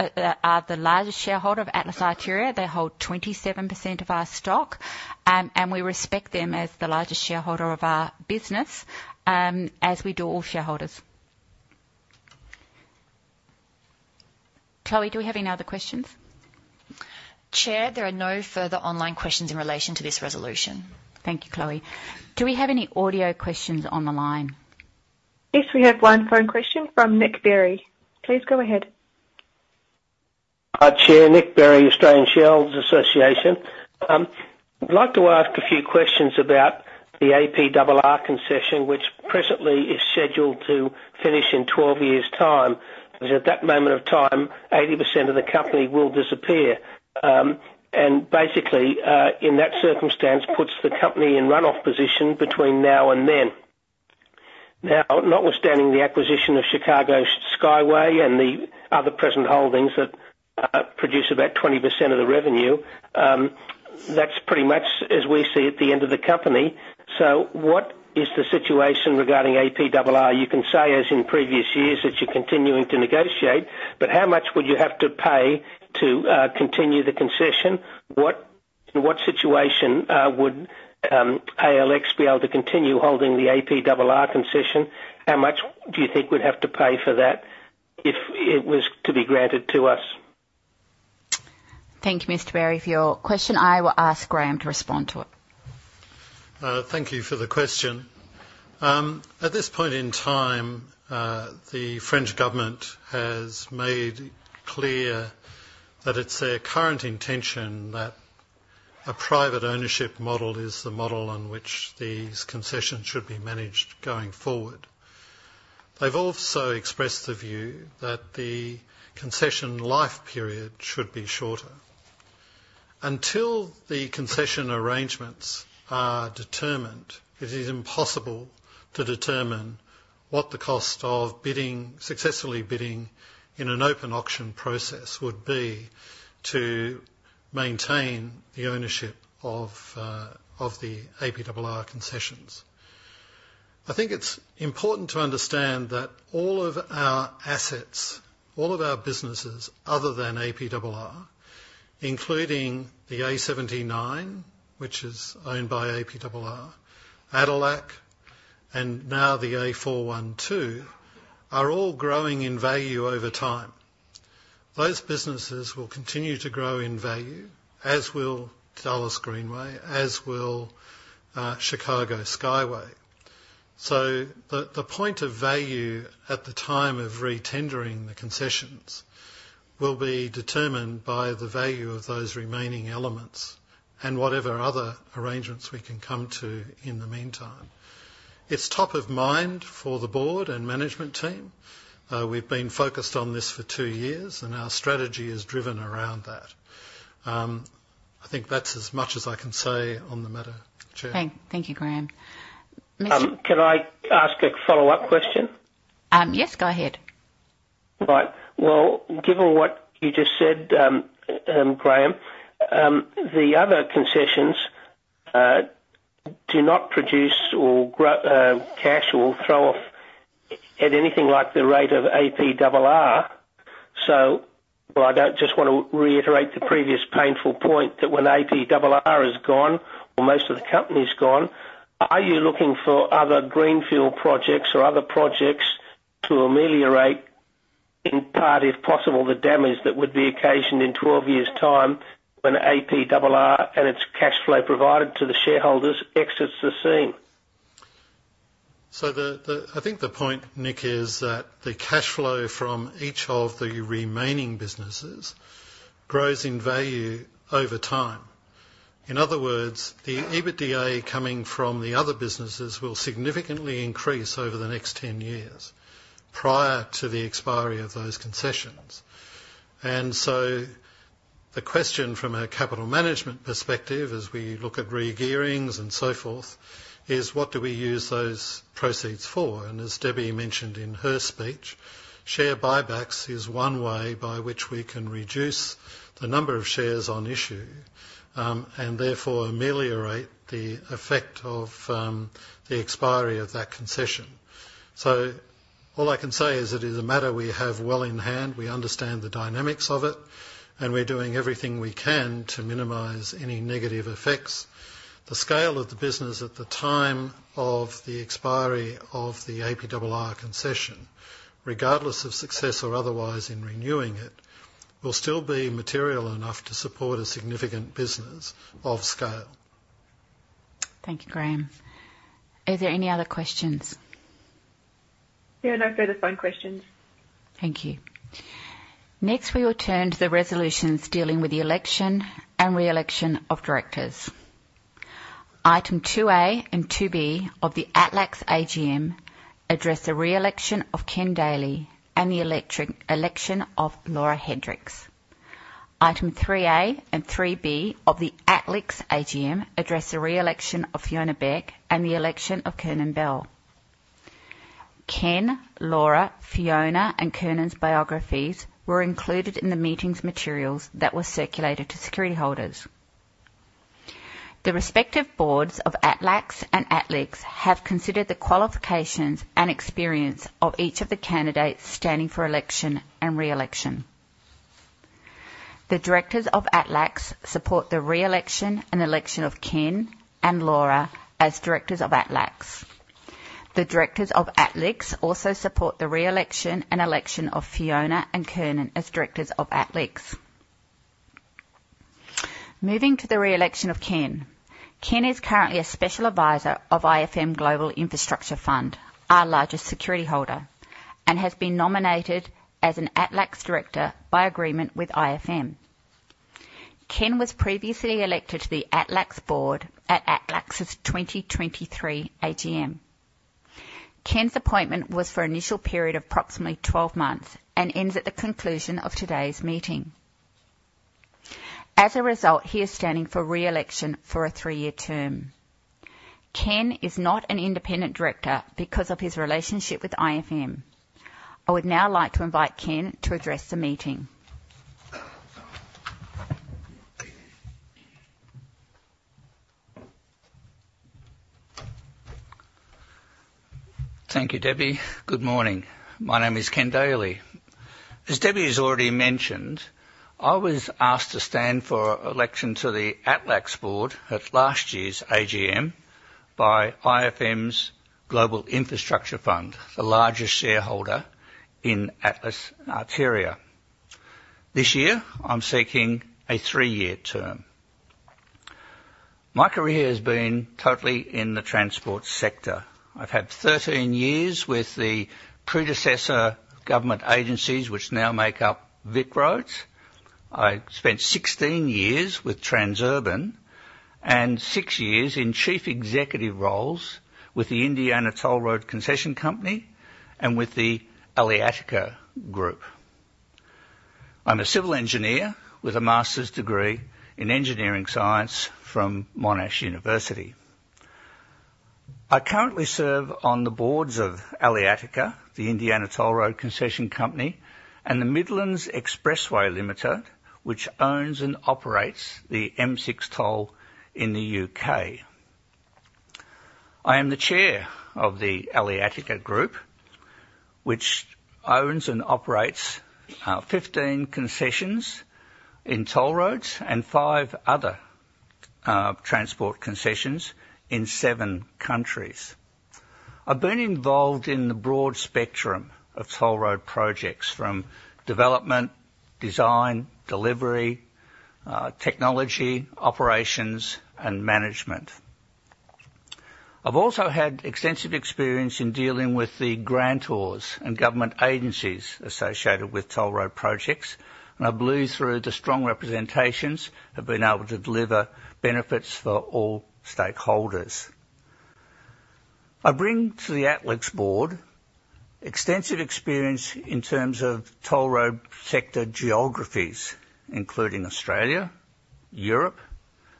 [SPEAKER 2] are the largest shareholder of Atlas Arteria. They hold 27% of our stock, and we respect them as the largest shareholder of our business, as we do all shareholders. Chloe, do we have any other questions?
[SPEAKER 1] Chair, there are no further online questions in relation to this resolution.
[SPEAKER 2] Thank you, Chloe. Do we have any audio questions on the line?
[SPEAKER 6] Yes, we have one phone question from Nick Bury. Please go ahead.
[SPEAKER 7] Hi, Chair. Nick Bury, Australian Shareholders Association. I'd like to ask a few questions about the APRR concession, which presently is scheduled to finish in 12 years' time, because at that moment of time, 80% of the company will disappear. And basically, in that circumstance, puts the company in runoff position between now and then. Now, notwithstanding the acquisition of Chicago Skyway and the other present holdings that produce about 20% of the revenue, that's pretty much, as we see, at the end of the company. So what is the situation regarding APRR? You can say, as in previous years, that you're continuing to negotiate, but how much would you have to pay to continue the concession? In what situation would ALX be able to continue holding the APRR concession? How much do you think we'd have to pay for that if it was to be granted to us?
[SPEAKER 2] Thank you, Mr. Bury for your question. I will ask Graeme to respond to it.
[SPEAKER 4] Thank you for the question. At this point in time, the French government has made clear that it's their current intention that a private ownership model is the model on which these concessions should be managed going forward. They've also expressed the view that the concession life period should be shorter. Until the concession arrangements are determined, it is impossible to determine what the cost of bidding, successfully bidding in an open auction process would be to maintain the ownership of the APRR concessions. I think it's important to understand that all of our assets, all of our businesses, other than APRR, including the A79, which is owned by APRR, ADELAC, and now the A412, are all growing in value over time. Those businesses will continue to grow in value, as will Dulles Greenway, as will Chicago Skyway. So the point of value at the time of re-tendering the concessions will be determined by the value of those remaining elements and whatever other arrangements we can come to in the meantime. It's top of mind for the board and management team. We've been focused on this for two years, and our strategy is driven around that. I think that's as much as I can say on the matter, Chair.
[SPEAKER 2] Thank you, Graeme. Mr-
[SPEAKER 7] Can I ask a follow-up question?
[SPEAKER 2] Yes, go ahead.
[SPEAKER 7] Right. Well, given what you just said, Graeme, the other concessions do not produce or grow cash or throw off at anything like the rate of APRR. Well, I don't just want to reiterate the previous painful point, that when APRR is gone or most of the company's gone, are you looking for other greenfield projects or other projects to ameliorate, in part, if possible, the damage that would be occasioned in 12 years' time when APRR and its cash flow provided to the shareholders exits the scene?
[SPEAKER 4] So I think the point, Nick, is that the cash flow from each of the remaining businesses grows in value over time. In other words, the EBITDA coming from the other businesses will significantly increase over the next 10 years prior to the expiry of those concessions. And so the question from a capital management perspective, as we look at regearing and so forth, is: what do we use those proceeds for? And as Debbie mentioned in her speech, share buybacks is one way by which we can reduce the number of shares on issue, and therefore ameliorate the effect of the expiry of that concession. So all I can say is that it is a matter we have well in hand, we understand the dynamics of it, and we're doing everything we can to minimize any negative effects. The scale of the business at the time of the expiry of the APRR concession, regardless of success or otherwise in renewing it, will still be material enough to support a significant business of scale.
[SPEAKER 2] Thank you, Graeme. Are there any other questions?
[SPEAKER 6] There are no further phone questions.
[SPEAKER 2] Thank you. Next, we will turn to the resolutions dealing with the election and re-election of directors. Item two A and two B of the ATLAX AGM address the re-election of Ken Daly and the election of Laura Hendricks. Item three A and three B of the ATLIX AGM address the re-election of Fiona Beck and the election of Kiernan Bell. Ken, Laura, Fiona, and Kiernan's biographies were included in the meetings materials that were circulated to security holders. The respective boards of ATLAX and ATLIX have considered the qualifications and experience of each of the candidates standing for election and re-election. The directors of ATLAX support the re-election and election of Ken and Laura as directors of ATLAX. The directors of ATLIX also support the re-election and election of Fiona and Kiernan as directors of ATLIX. Moving to the re-election of Ken. Ken is currently a special advisor of IFM Global Infrastructure Fund, our largest security holder, and has been nominated as an ATLAX director by agreement with IFM. Ken was previously elected to the ATLAX board at ATLAX's 2023 AGM. Ken's appointment was for an initial period of approximately 12 months and ends at the conclusion of today's meeting. As a result, he is standing for re-election for a three-year term. Ken is not an independent director because of his relationship with IFM. I would now like to invite Ken to address the meeting.
[SPEAKER 8] Thank you, Debbie. Good morning. My name is Ken Daly. As Debbie has already mentioned, I was asked to stand for election to the ATLAX board at last year's AGM by IFM's Global Infrastructure Fund, the largest shareholder in Atlas Arteria. This year, I'm seeking a three-year term. My career has been totally in the transport sector. I've had 13 years with the predecessor government agencies, which now make up VicRoads. I spent 16 years with Transurban and six years in chief executive roles with the Indiana Toll Road Concession Company and with the Aleatica Group. I'm a civil engineer with a master's degree in engineering science from Monash University. I currently serve on the boards of Aleatica, the Indiana Toll Road Concession Company, and the Midlands Expressway Limited, which owns and operates the M6 Toll in the UK. I am the chair of the Aleatica Group, which owns and operates 15 concessions in toll roads and five other transport concessions in seven countries. I've been involved in the broad spectrum of toll road projects from development, design, delivery, technology, operations, and management. I've also had extensive experience in dealing with the grantors and government agencies associated with toll road projects, and I believe through the strong representations, have been able to deliver benefits for all stakeholders. I bring to the ATLIX board extensive experience in terms of toll road sector geographies, including Australia, Europe,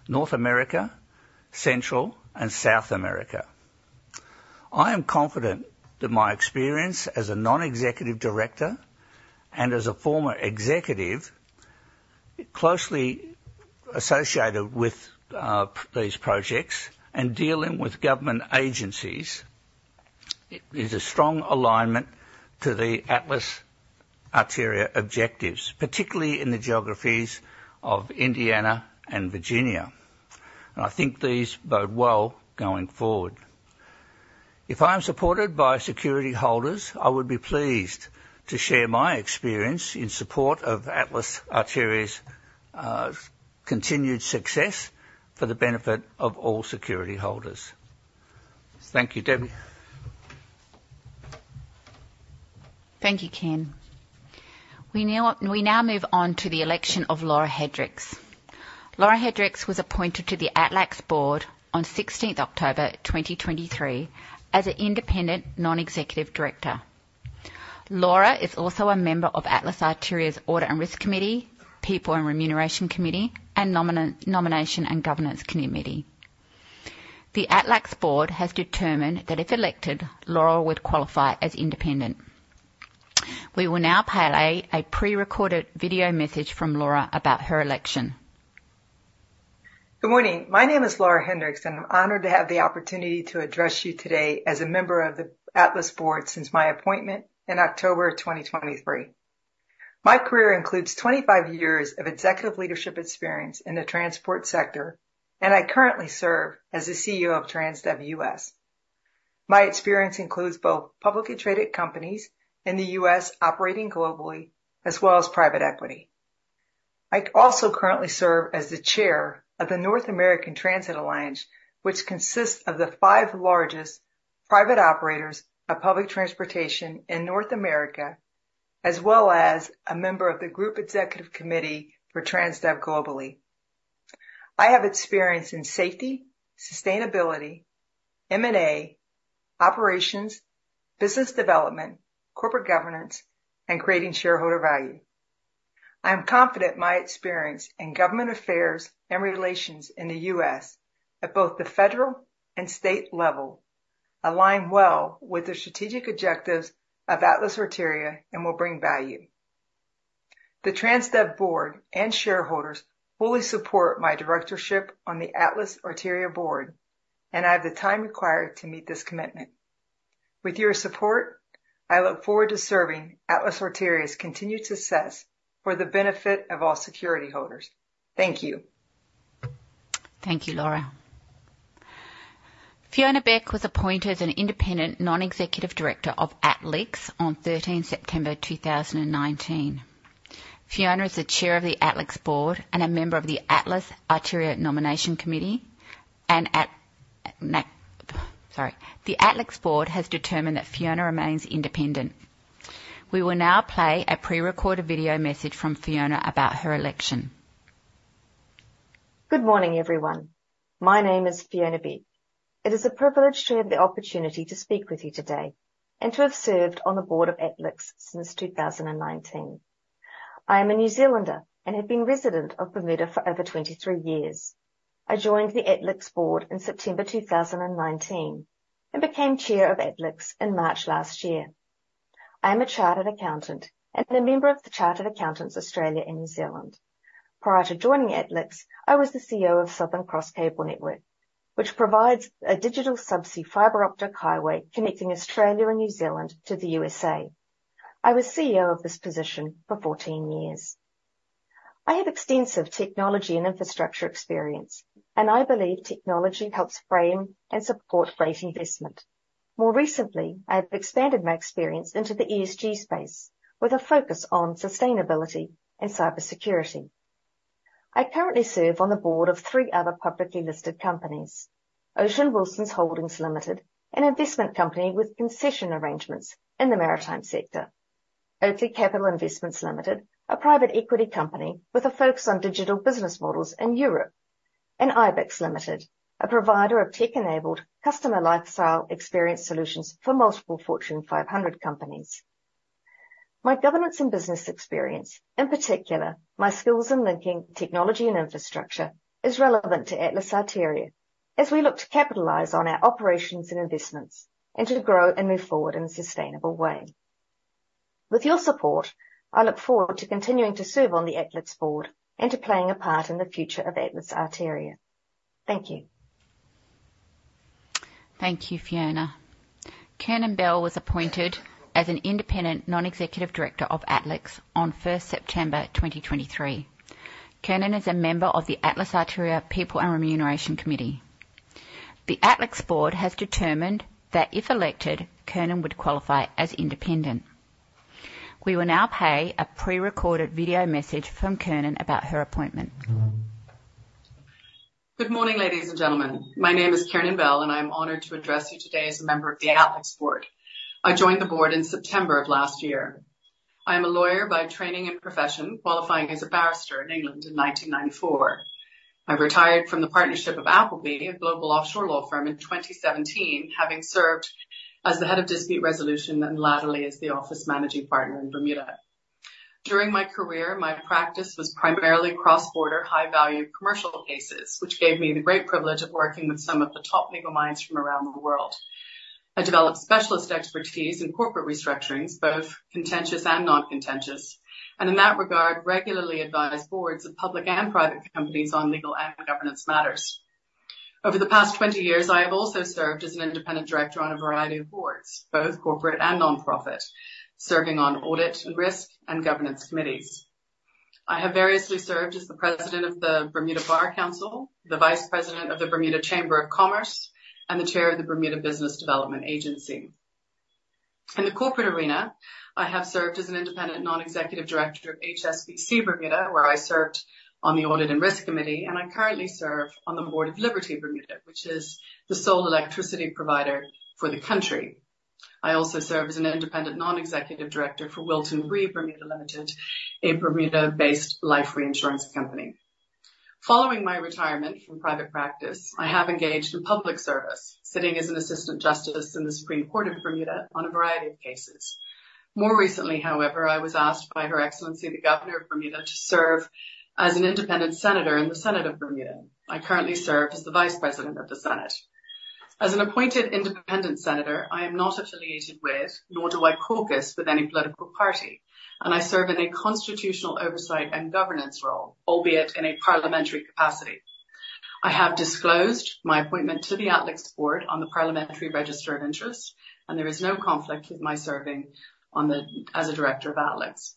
[SPEAKER 8] North America, Central and South America. I am confident that my experience as a non-executive director and as a former executive closely associated with these projects and dealing with government agencies, is a strong alignment to the Atlas Arteria objectives, particularly in the geographies of Indiana and Virginia. I think these bode well going forward. If I'm supported by security holders, I would be pleased to share my experience in support of Atlas Arteria's continued success for the benefit of all security holders. Thank you, Debbie.
[SPEAKER 2] Thank you, Ken. We now move on to the election of Laura Hendricks. Laura Hendricks was appointed to the ATLAX board on 16 October 2023, as an independent non-executive director. Laura is also a member of Atlas Arteria's Audit and Risk Committee, People and Remuneration Committee, and Nomination and Governance Committee. The ATLAX board has determined that if elected, Laura would qualify as independent. We will now play a pre-recorded video message from Laura about her election.
[SPEAKER 9] Good morning. My name is Laura Hendricks, and I'm honored to have the opportunity to address you today as a member of the Atlas Arteria board since my appointment in October 2023. My career includes 25 years of executive leadership experience in the transport sector, and I currently serve as the CEO of Transdev US. My experience includes both publicly traded companies in the U.S., operating globally, as well as private equity. I also currently serve as the chair of the North American Transit Alliance, which consists of the five largest private operators of public transportation in North America, as well as a member of the Group Executive Committee for Transdev globally. I have experience in safety, sustainability, M&A, operations, business development, corporate governance, and creating shareholder value. I am confident my experience in government affairs and relations in the U.S. at both the federal and state level, align well with the strategic objectives of Atlas Arteria and will bring value. The Transdev board and shareholders fully support my directorship on the Atlas Arteria board, and I have the time required to meet this commitment. With your support, I look forward to serving Atlas Arteria's continued success for the benefit of all security holders. Thank you.
[SPEAKER 2] Thank you, Laura. Fiona Beck was appointed as an independent non-executive director of ATLIX on 13th September 2019. Fiona is the Chair of the ATLIX board and a member of the Atlas Arteria Nomination Committee. The ATLIX board has determined that Fiona remains independent. We will now play a pre-recorded video message from Fiona about her election.
[SPEAKER 10] Good morning, everyone. My name is Fiona Beck. It is a privilege to have the opportunity to speak with you today and to have served on the board of ATLIX since 2019. I am a New Zealander and have been resident of Bermuda for over 23 years. I joined the ATLIX board in September 2019 and became Chair of ATLIX in March last year. I am a chartered accountant and a member of the Chartered Accountants, Australia and New Zealand. Prior to joining ATLIX, I was the CEO of Southern Cross Cable Network, which provides a digital subsea fiber optic highway connecting Australia and New Zealand to the USA. I was CEO of this position for 14 years. I have extensive technology and infrastructure experience, and I believe technology helps frame and support great investment. More recently, I have expanded my experience into the ESG space with a focus on sustainability and cybersecurity. I currently serve on the board of three other publicly listed companies: Ocean Wilsons Holdings Limited, an investment company with concession arrangements in the maritime sector, Oakley Capital Investments Limited, a private equity company with a focus on digital business models in Europe, and IBEX Limited, a provider of tech-enabled customer lifestyle experience solutions for multiple Fortune 500 companies. My governance and business experience, in particular, my skills in linking technology and infrastructure, is relevant to Atlas Arteria as we look to capitalize on our operations and investments and to grow and move forward in a sustainable way. With your support, I look forward to continuing to serve on the ATLIX board and to playing a part in the future of Atlas Arteria. Thank you.
[SPEAKER 2] Thank you, Fiona. Kiernan Bell was appointed as an independent non-executive director of ATLIX on 1 September 2023. Kiernan is a member of the Atlas Arteria People and Remuneration Committee. The ATLIX board has determined that if elected, Kiernan would qualify as independent. We will now play a pre-recorded video message from Kiernan about her appointment.
[SPEAKER 11] Good morning, ladies and gentlemen. My name is Kiernan Bell, and I'm honored to address you today as a member of the ATLIX board. I joined the board in September of last year. I am a lawyer by training and profession, qualifying as a barrister in England in 1994. I retired from the partnership of Appleby, a global offshore law firm, in 2017, having served as the head of dispute resolution and latterly as the office managing partner in Bermuda. During my career, my practice was primarily cross-border, high-value commercial cases, which gave me the great privilege of working with some of the top legal minds from around the world. I developed specialist expertise in corporate restructurings, both contentious and non-contentious, and in that regard, regularly advised boards of public and private companies on legal and governance matters. Over the past 20 years, I have also served as an independent director on a variety of boards, both corporate and nonprofit, serving on Audit and Risk and Governance committees. I have variously served as the president of the Bermuda Bar Council, the vice president of the Bermuda Chamber of Commerce, and the chair of the Bermuda Business Development Agency.... In the corporate arena, I have served as an independent non-executive director of HSBC Bermuda, where I served on the Audit and Risk Committee, and I currently serve on the board of Liberty Bermuda, which is the sole electricity provider for the country. I also serve as an independent non-executive director for Wilton Re Bermuda Limited, a Bermuda-based life reinsurance company. Following my retirement from private practice, I have engaged in public service, sitting as an assistant justice in the Supreme Court of Bermuda on a variety of cases. More recently, however, I was asked by Her Excellency, the Governor of Bermuda, to serve as an independent senator in the Senate of Bermuda. I currently serve as the Vice President of the Senate. As an appointed independent senator, I am not affiliated with, nor do I caucus with any political party, and I serve in a constitutional oversight and governance role, albeit in a parliamentary capacity. I have disclosed my appointment to the ATLIX board on the Parliamentary Register of Interests, and there is no conflict with my serving as a director of ATLIX.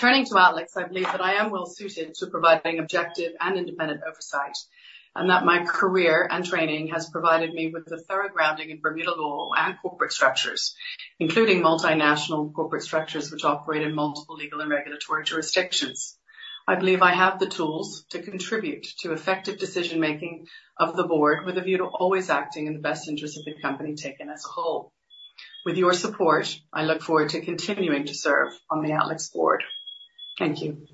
[SPEAKER 11] Turning to ATLIX, I believe that I am well suited to providing objective and independent oversight, and that my career and training has provided me with a thorough grounding in Bermuda law and corporate structures, including multinational corporate structures, which operate in multiple legal and regulatory jurisdictions. I believe I have the tools to contribute to effective decision-making of the board, with a view to always acting in the best interest of the company taken as a whole. With your support, I look forward to continuing to serve on the ATLAX board. Thank you.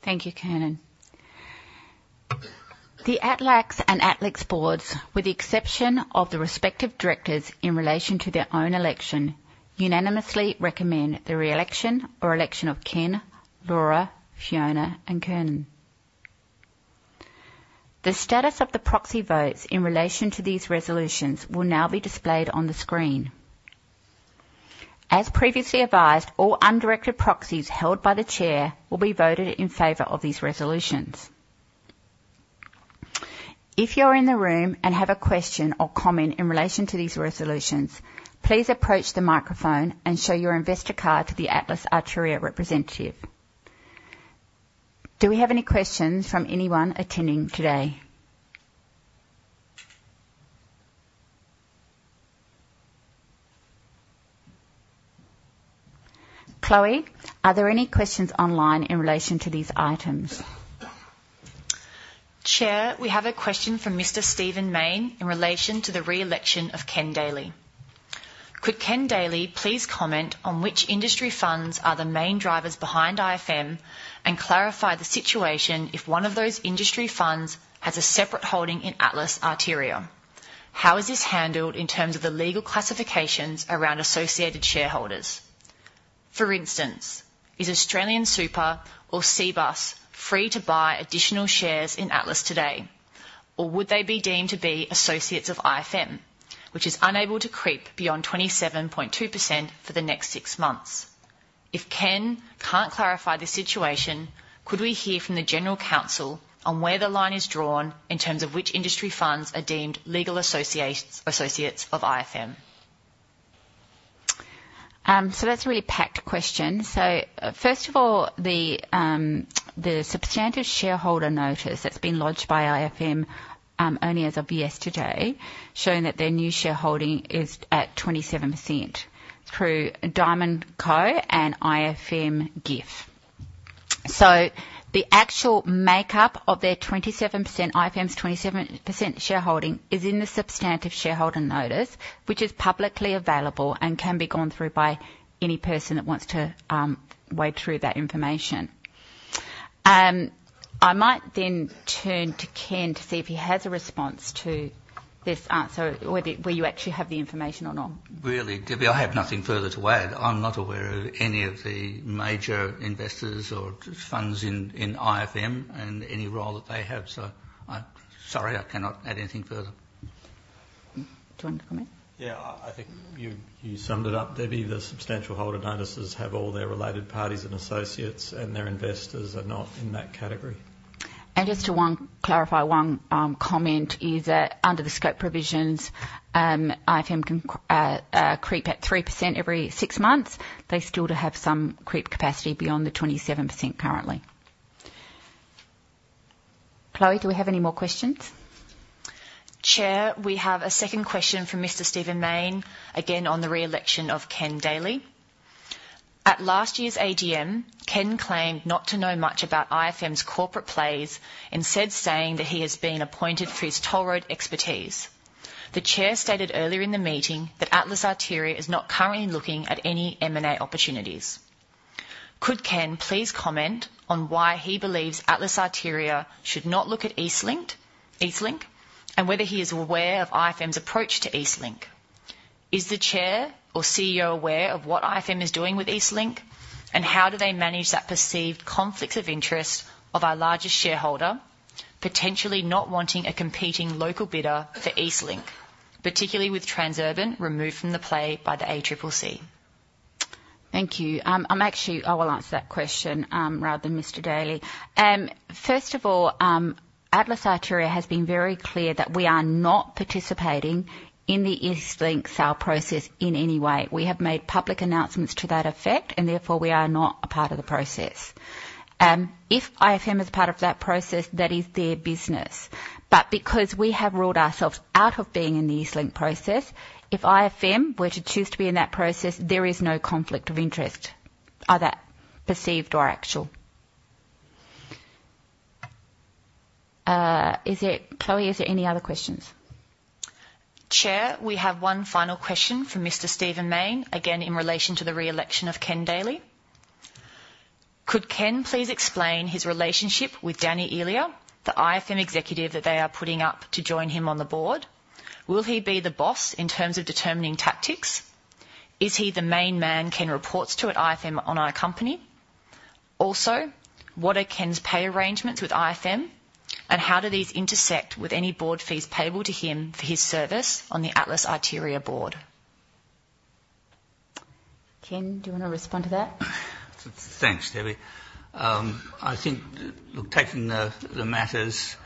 [SPEAKER 2] Thank you, Kiernan. The ATLAX and ATLIX boards, with the exception of the respective directors in relation to their own election, unanimously recommend the re-election or election of Ken, Laura, Fiona, and Kiernan. The status of the proxy votes in relation to these resolutions will now be displayed on the screen. As previously advised, all undirected proxies held by the chair will be voted in favor of these resolutions. If you're in the room and have a question or comment in relation to these resolutions, please approach the microphone and show your investor card to the Atlas Arteria representative. Do we have any questions from anyone attending today? Chloe, are there any questions online in relation to these items?
[SPEAKER 1] Chair, we have a question from Mr. Stephen Mayne in relation to the re-election of Ken Daly. Could Ken Daly please comment on which industry funds are the main drivers behind IFM and clarify the situation if one of those industry funds has a separate holding in Atlas Arteria? How is this handled in terms of the legal classifications around associated shareholders? For instance, is AustralianSuper or Cbus free to buy additional shares in Atlas today, or would they be deemed to be associates of IFM, which is unable to creep beyond 27.2% for the next six months? If Ken can't clarify the situation, could we hear from the General Counsel on where the line is drawn in terms of which industry funds are deemed legal associates of IFM?
[SPEAKER 2] So that's a really packed question. So first of all, the substantial shareholder notice that's been lodged by IFM only as of yesterday, showing that their new shareholding is at 27% through Diamond Co and IFM GIF. So the actual makeup of their 27%, IFM's 27% shareholding is in the substantial shareholder notice, which is publicly available and can be gone through by any person that wants to wade through that information. I might then turn to Ken to see if he has a response to this answer, or the, where you actually have the information or not.
[SPEAKER 8] Really, Debbie, I have nothing further to add. I'm not aware of any of the major investors or funds in IFM and any role that they have, so I'm sorry, I cannot add anything further.
[SPEAKER 2] Do you want to comment?
[SPEAKER 6] Yeah, I think you summed it up, Debbie. The substantial holder notices have all their related parties and associates, and their investors are not in that category.
[SPEAKER 2] Just to clarify one comment, that under the scope provisions, IFM can creep at 3% every six months. They still do have some creep capacity beyond the 27% currently. Chloe, do we have any more questions?
[SPEAKER 1] Chair, we have a second question from Mr. Stephen Mayne, again on the re-election of Ken Daly. At last year's AGM, Ken claimed not to know much about IFM's corporate plays, instead saying that he has been appointed for his toll road expertise. The Chair stated earlier in the meeting that Atlas Arteria is not currently looking at any M&A opportunities. Could Ken please comment on why he believes Atlas Arteria should not look at EastLink, EastLink, and whether he is aware of IFM's approach to EastLink? Is the Chair or CEO aware of what IFM is doing with EastLink, and how do they manage that perceived conflict of interest of our largest shareholder, potentially not wanting a competing local bidder for EastLink, particularly with Transurban removed from the play by the ACCC?
[SPEAKER 2] Thank you. I'm actually... I will answer that question, rather than Mr. Daly. First of all, Atlas Arteria has been very clear that we are not participating in the EastLink sale process in any way. We have made public announcements to that effect, and therefore, we are not a part of the process. If IFM is part of that process, that is their business. But because we have ruled ourselves out of being in the EastLink process, if IFM were to choose to be in that process, there is no conflict of interest.... Is that perceived or actual? Is it, Chloe, is there any other questions?
[SPEAKER 1] Chair, we have one final question from Mr. Stephen Mayne, again, in relation to the re-election of Ken Daly. "Could Ken please explain his relationship with Danny Elia, the IFM executive that they are putting up to join him on the board? Will he be the boss in terms of determining tactics? Is he the main man Ken reports to at IFM on our company? Also, what are Ken's pay arrangements with IFM, and how do these intersect with any board fees payable to him for his service on the Atlas Arteria board?
[SPEAKER 2] Ken, do you want to respond to that?
[SPEAKER 8] Thanks, Debbie. I think, look, taking the, the matters,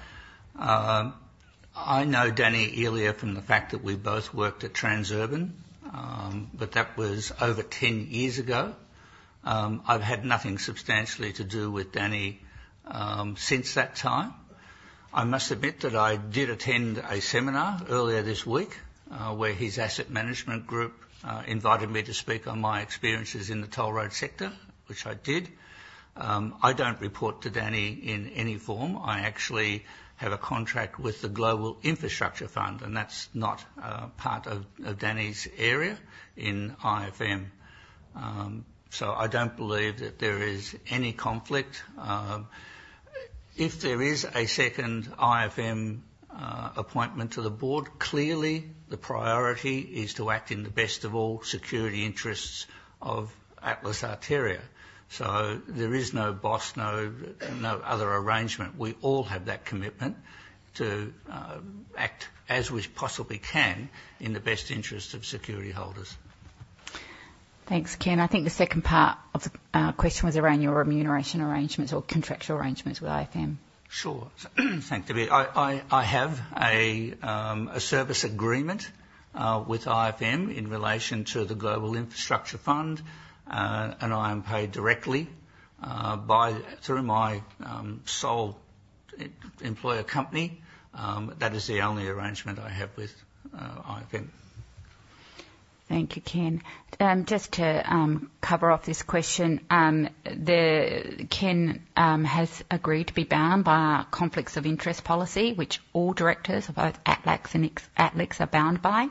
[SPEAKER 8] I know Danny Elia from the fact that we both worked at Transurban, but that was over 10 years ago. I've had nothing substantially to do with Danny, since that time. I must admit that I did attend a seminar earlier this week, where his asset management group invited me to speak on my experiences in the toll road sector, which I did. I don't report to Danny in any form. I actually have a contract with the Global Infrastructure Fund, and that's not part of Danny's area in IFM. So I don't believe that there is any conflict. If there is a second IFM appointment to the board, clearly the priority is to act in the best of all security interests of Atlas Arteria. So there is no boss, no, no other arrangement. We all have that commitment to act as we possibly can in the best interest of security holders.
[SPEAKER 2] Thanks, Ken. I think the second part of the question was around your remuneration arrangements or contractual arrangements with IFM.
[SPEAKER 8] Sure. Thanks, Debbie. I have a service agreement with IFM in relation to the Global Infrastructure Fund, and I am paid directly by through my sole employer company. That is the only arrangement I have with IFM.
[SPEAKER 2] Thank you, Ken. Just to cover off this question, Ken has agreed to be bound by our conflicts of interest policy, which all directors of both ATLAX and ATLIX are bound by.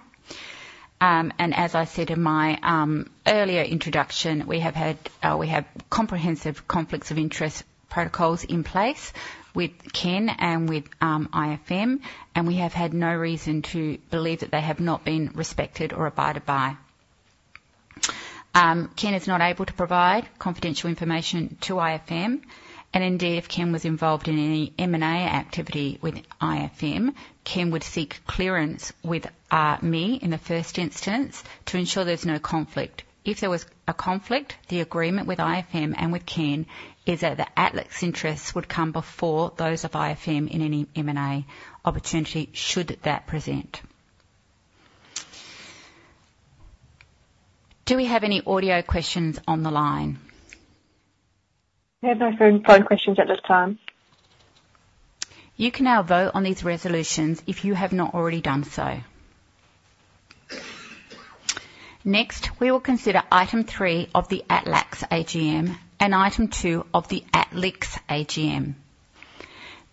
[SPEAKER 2] And as I said in my earlier introduction, we have had comprehensive conflicts of interest protocols in place with Ken and with IFM, and we have had no reason to believe that they have not been respected or abided by. Ken is not able to provide confidential information to IFM, and indeed, if Ken was involved in any M&A activity with IFM, Ken would seek clearance with me in the first instance to ensure there's no conflict. If there was a conflict, the agreement with IFM and with Ken is that the ATLIX interests would come before those of IFM in any M&A opportunity, should that present. Do we have any audio questions on the line? We have no phone questions at this time. You can now vote on these resolutions if you have not already done so. Next, we will consider item three of the ATLAX AGM and item two of the ATLIX AGM.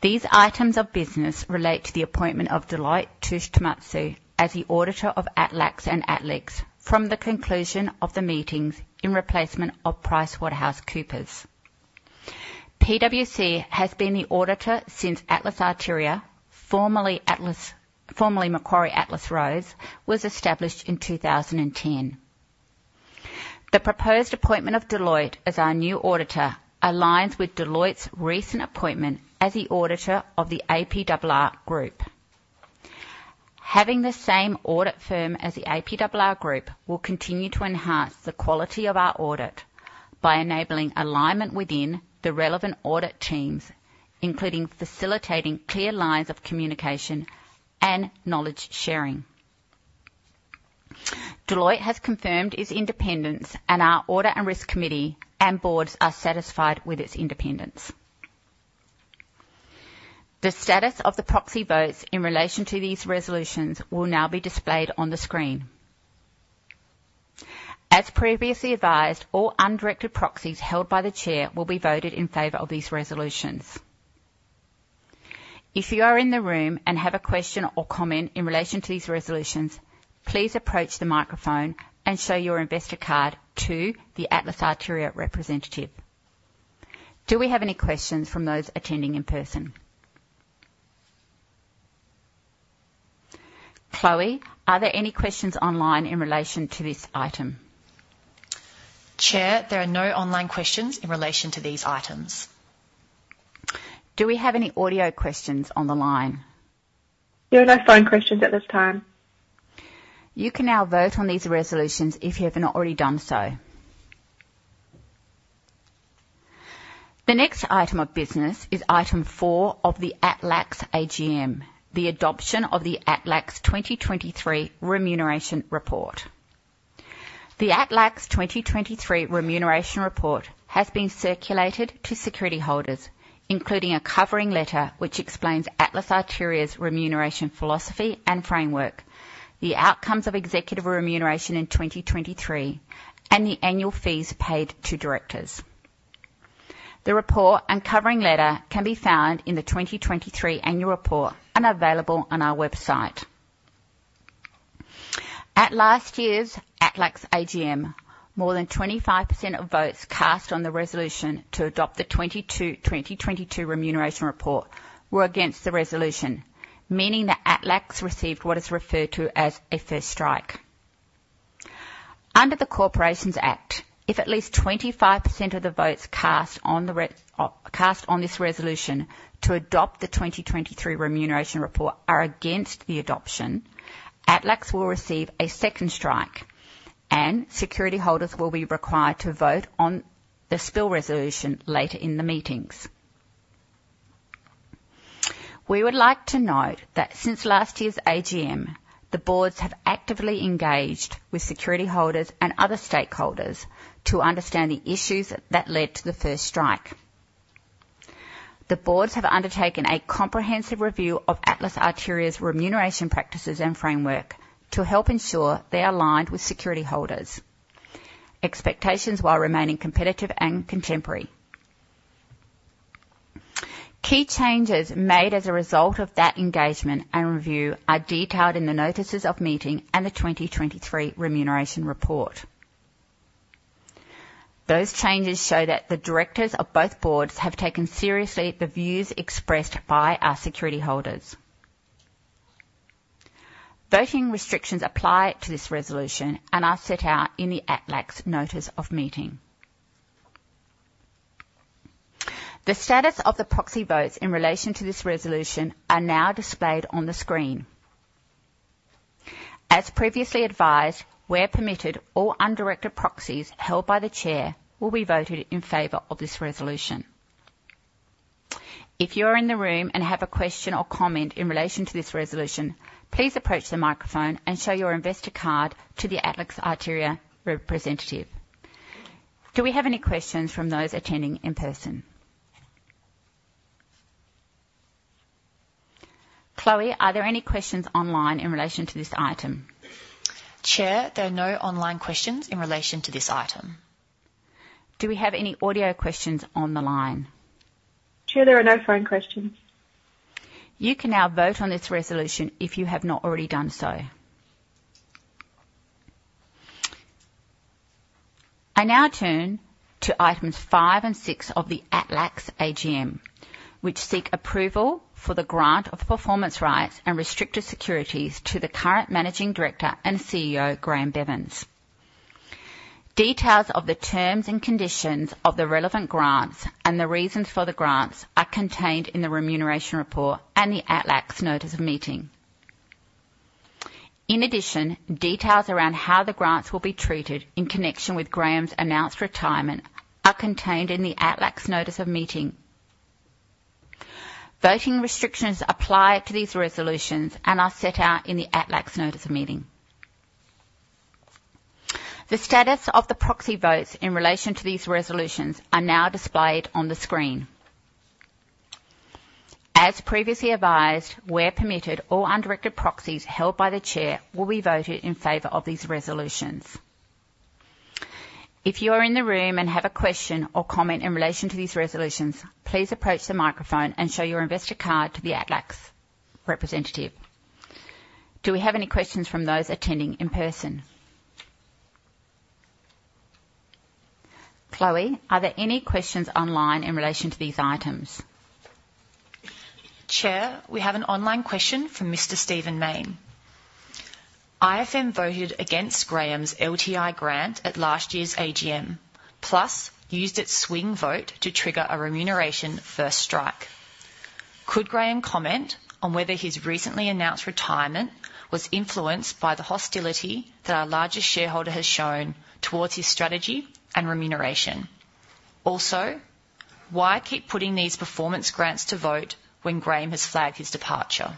[SPEAKER 2] These items of business relate to the appointment of Deloitte Touche Tohmatsu as the auditor of ATLAX and ATLIX from the conclusion of the meetings in replacement of PricewaterhouseCoopers. PwC has been the auditor since Atlas Arteria, formerly Macquarie Atlas Roads, was established in 2010. The proposed appointment of Deloitte as our new auditor aligns with Deloitte's recent appointment as the auditor of the APRR Group. Having the same audit firm as the APRR Group will continue to enhance the quality of our audit by enabling alignment within the relevant audit teams, including facilitating clear lines of communication and knowledge sharing. Deloitte has confirmed its independence, and our audit and risk committee and boards are satisfied with its independence. The status of the proxy votes in relation to these resolutions will now be displayed on the screen. As previously advised, all undirected proxies held by the Chair will be voted in favor of these resolutions. If you are in the room and have a question or comment in relation to these resolutions, please approach the microphone and show your investor card to the Atlas Arteria representative. Do we have any questions from those attending in person? Chloe, are there any questions online in relation to this item?
[SPEAKER 1] Chair, there are no online questions in relation to these items.
[SPEAKER 2] Do we have any audio questions on the line?
[SPEAKER 6] There are no phone questions at this time.
[SPEAKER 2] You can now vote on these resolutions if you have not already done so. The next item of business is item 4 of the ATLAX AGM, the adoption of the ATLAX 2023 remuneration report. The ATLAX 2023 remuneration report has been circulated to security holders, including a covering letter, which explains Atlas Arteria's remuneration, philosophy, and framework, the outcomes of executive remuneration in 2023, and the annual fees paid to directors. The report and covering letter can be found in the 2023 annual report and available on our website. At last year's ATLAX AGM, more than 25% of votes cast on the resolution to adopt the 2022 remuneration report were against the resolution, meaning that ATLAX received what is referred to as a first strike. Under the Corporations Act, if at least 25% of the votes cast on this resolution to adopt the 2023 remuneration report are against the adoption, ATLAX will receive a second strike, and security holders will be required to vote on the spill resolution later in the meetings. We would like to note that since last year's AGM, the boards have actively engaged with security holders and other stakeholders to understand the issues that led to the first strike. The boards have undertaken a comprehensive review of Atlas Arteria's remuneration practices and framework to help ensure they are aligned with security holders' expectations while remaining competitive and contemporary. Key changes made as a result of that engagement and review are detailed in the notices of meeting and the 2023 remuneration report. Those changes show that the directors of both boards have taken seriously the views expressed by our security holders. Voting restrictions apply to this resolution and are set out in the ATLAX notice of meeting. The status of the proxy votes in relation to this resolution are now displayed on the screen. As previously advised, where permitted, all undirected proxies held by the chair will be voted in favor of this resolution. If you're in the room and have a question or comment in relation to this resolution, please approach the microphone and show your investor card to the Atlas Arteria representative. Do we have any questions from those attending in person? Chloe, are there any questions online in relation to this item?
[SPEAKER 1] Chair, there are no online questions in relation to this item.
[SPEAKER 2] Do we have any audio questions on the line?
[SPEAKER 9] Chair, there are no phone questions.
[SPEAKER 2] You can now vote on this resolution if you have not already done so. I now turn to items five and six of the ATLAX AGM, which seek approval for the grant of performance rights and restricted securities to the current Managing Director and CEO, Graeme Bevans. Details of the terms and conditions of the relevant grants and the reasons for the grants are contained in the remuneration report and the ATLAX notice of meeting. In addition, details around how the grants will be treated in connection with Graeme's announced retirement are contained in the ATLAX notice of meeting. Voting restrictions apply to these resolutions and are set out in the ATLAX notice of meeting. The status of the proxy votes in relation to these resolutions are now displayed on the screen. As previously advised, where permitted, all undirected proxies held by the chair will be voted in favor of these resolutions. If you are in the room and have a question or comment in relation to these resolutions, please approach the microphone and show your investor card to the ATLAX representative. Do we have any questions from those attending in person? Chloe, are there any questions online in relation to these items?
[SPEAKER 1] Chair, we have an online question from Mr. Stephen Mayne. IFM voted against Graeme's LTI grant at last year's AGM, plus used its swing vote to trigger a remuneration first strike. Could Graeme comment on whether his recently announced retirement was influenced by the hostility that our largest shareholder has shown towards his strategy and remuneration? Also, why keep putting these performance grants to vote when Graeme has flagged his departure?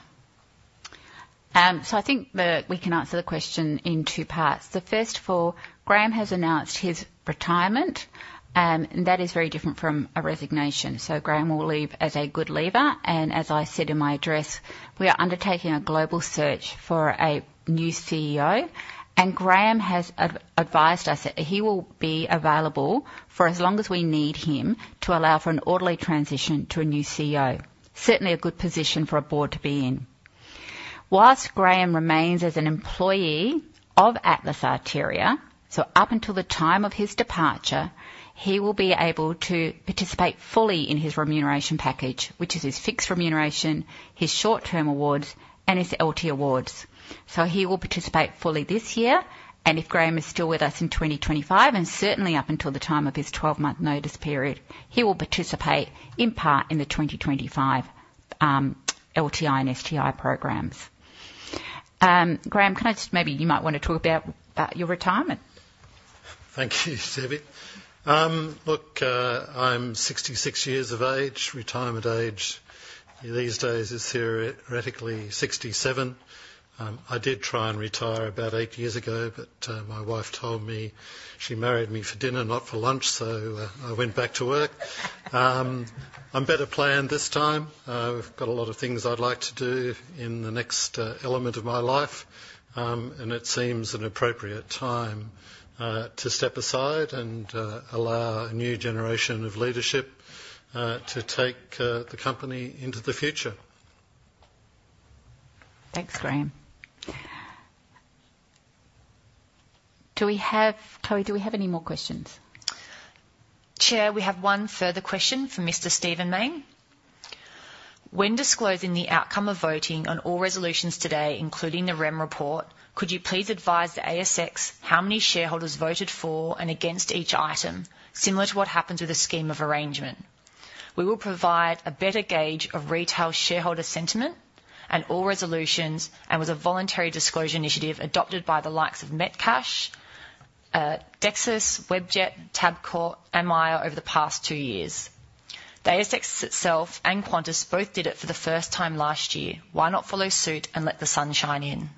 [SPEAKER 2] So I think that we can answer the question in two parts. First of all, Graeme has announced his retirement, and that is very different from a resignation. So Graeme will leave as a good leaver, and as I said in my address, we are undertaking a global search for a new CEO, and Graeme has advised us that he will be available for as long as we need him to allow for an orderly transition to a new CEO. Certainly, a good position for a board to be in. Whilst Graeme remains as an employee of Atlas Arteria, so up until the time of his departure, he will be able to participate fully in his remuneration package, which is his fixed remuneration, his short-term awards, and his LT awards. So he will participate fully this year, and if Graeme is still with us in 2025, and certainly up until the time of his twelve-month notice period, he will participate in part in the 2025 LTI and STI programs. Graeme, can I just maybe you might want to talk about your retirement.
[SPEAKER 4] Thank you, Debbie. Look, I'm 66 years of age. Retirement age these days is theoretically 67. I did try and retire about 8 years ago, but, my wife told me she married me for dinner, not for lunch, so, I went back to work. I'm better planned this time. I've got a lot of things I'd like to do in the next element of my life, and it seems an appropriate time, to step aside and, allow a new generation of leadership, to take, the company into the future.
[SPEAKER 2] Thanks, Graeme. Do we have, Chloe, do we have any more questions?
[SPEAKER 1] Chair, we have one further question from Mr. Stephen Mayne. When disclosing the outcome of voting on all resolutions today, including the REM report, could you please advise the ASX how many shareholders voted for and against each item, similar to what happens with a scheme of arrangement? We will provide a better gauge of retail shareholder sentiment and all resolutions, and with a voluntary disclosure initiative adopted by the likes of Metcash, Dexus, Webjet, Tabcorp, and Myer over the past two years. The ASX itself and Qantas both did it for the first time last year. Why not follow suit and let the sun shine in?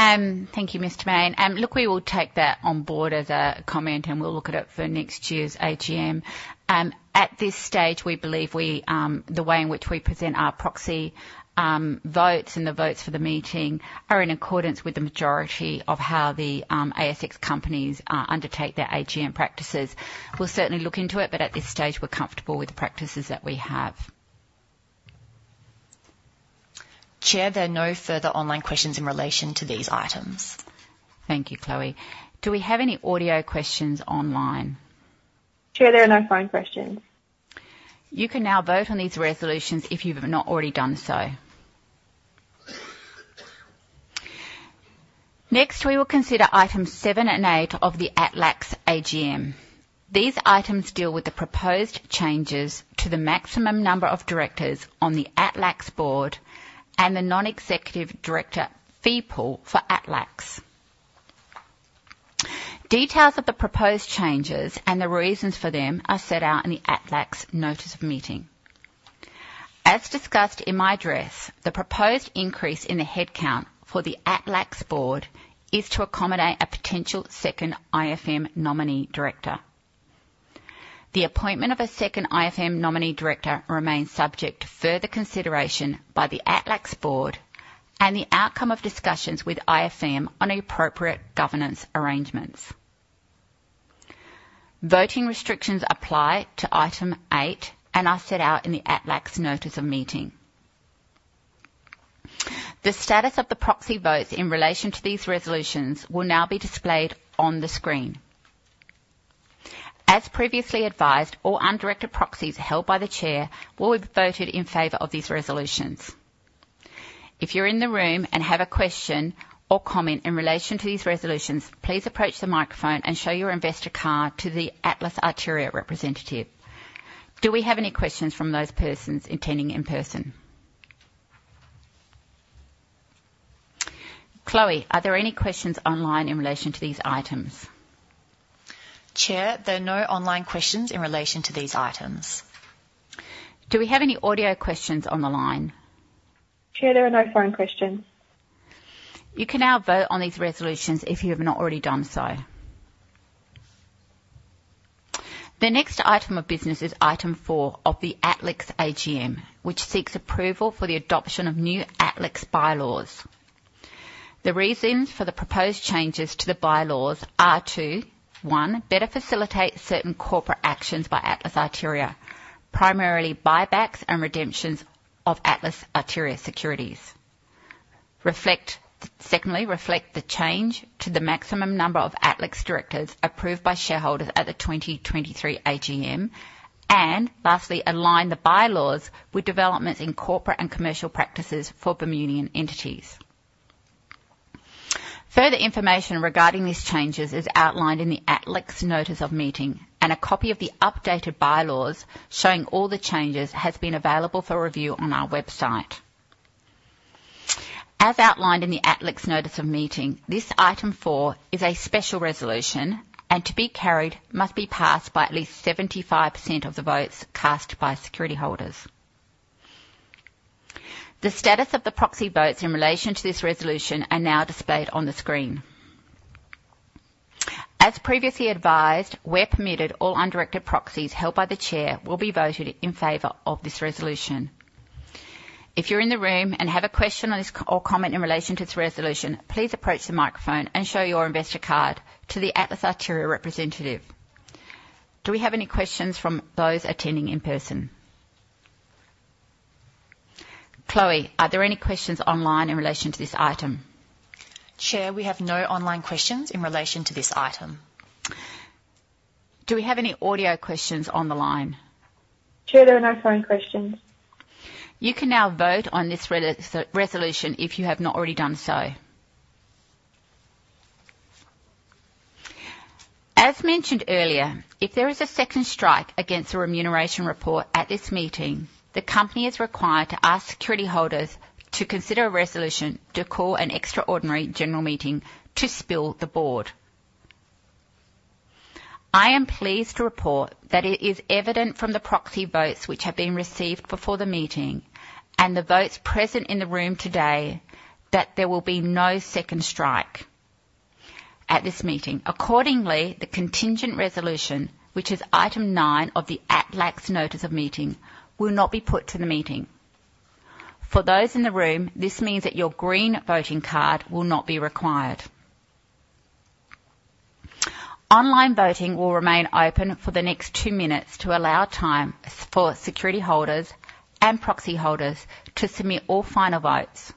[SPEAKER 2] Thank you, Mr. Mayne. Look, we will take that on board as a comment, and we'll look at it for next year's AGM. At this stage, we believe the way in which we present our proxy votes and the votes for the meeting are in accordance with the majority of how the ASX companies undertake their AGM practices. We'll certainly look into it, but at this stage, we're comfortable with the practices that we have.
[SPEAKER 1] Chair, there are no further online questions in relation to these items.
[SPEAKER 2] Thank you, Chloe. Do we have any audio questions online?
[SPEAKER 9] Chair, there are no phone questions.
[SPEAKER 2] You can now vote on these resolutions if you've not already done so. Next, we will consider items 7 and 8 of the ATLAX AGM. These items deal with the proposed changes to the maximum number of directors on the ATLAX board and the non-executive director fee pool for ATLAX. Details of the proposed changes and the reasons for them are set out in the ATLAX notice of meeting. As discussed in my address, the proposed increase in the headcount for the ATLAX board is to accommodate a potential second IFM nominee director. The appointment of a second IFM nominee director remains subject to further consideration by the ATLAX board and the outcome of discussions with IFM on appropriate governance arrangements. Voting restrictions apply to item 8 and are set out in the ATLAX notice of meeting. The status of the proxy votes in relation to these resolutions will now be displayed on the screen. As previously advised, all undirected proxies held by the chair will be voted in favor of these resolutions. If you're in the room and have a question or comment in relation to these resolutions, please approach the microphone and show your investor card to the Atlas Arteria representative. Do we have any questions from those persons attending in person? Chloe, are there any questions online in relation to these items?
[SPEAKER 1] Chair, there are no online questions in relation to these items.
[SPEAKER 2] Do we have any audio questions on the line?
[SPEAKER 9] Chair, there are no phone questions.
[SPEAKER 2] You can now vote on these resolutions if you have not already done so. The next item of business is item four of the ATLAX AGM, which seeks approval for the adoption of new ATLAX bylaws. The reasons for the proposed changes to the bylaws are to, one, better facilitate certain corporate actions by Atlas Arteria, primarily buybacks and redemptions of Atlas Arteria securities. Secondly, reflect the change to the maximum number of ATLAX directors approved by shareholders at the 2023 AGM, and lastly, align the bylaws with developments in corporate and commercial practices for Bermudian entities. Further information regarding these changes is outlined in the ATLAX notice of meeting, and a copy of the updated bylaws showing all the changes has been available for review on our website. As outlined in the ATLAX notice of meeting, this item four is a special resolution and to be carried, must be passed by at least 75% of the votes cast by security holders. The status of the proxy votes in relation to this resolution are now displayed on the screen. As previously advised, where permitted, all undirected proxies held by the chair will be voted in favor of this resolution. If you're in the room and have a question on this or comment in relation to this resolution, please approach the microphone and show your investor card to the Atlas Arteria representative. Do we have any questions from those attending in person? Chloe, are there any questions online in relation to this item?
[SPEAKER 1] Chair, we have no online questions in relation to this item.
[SPEAKER 2] Do we have any audio questions on the line?
[SPEAKER 9] Chair, there are no phone questions.
[SPEAKER 2] You can now vote on this resolution if you have not already done so. As mentioned earlier, if there is a second strike against the remuneration report at this meeting, the company is required to ask security holders to consider a resolution to call an extraordinary general meeting to spill the board. I am pleased to report that it is evident from the proxy votes which have been received before the meeting and the votes present in the room today, that there will be no second strike at this meeting. Accordingly, the contingent resolution, which is item nine of the ATLAX notice of meeting, will not be put to the meeting. For those in the room, this means that your green voting card will not be required. Online voting will remain open for the next two minutes to allow time for security holders and proxy holders to submit all final votes.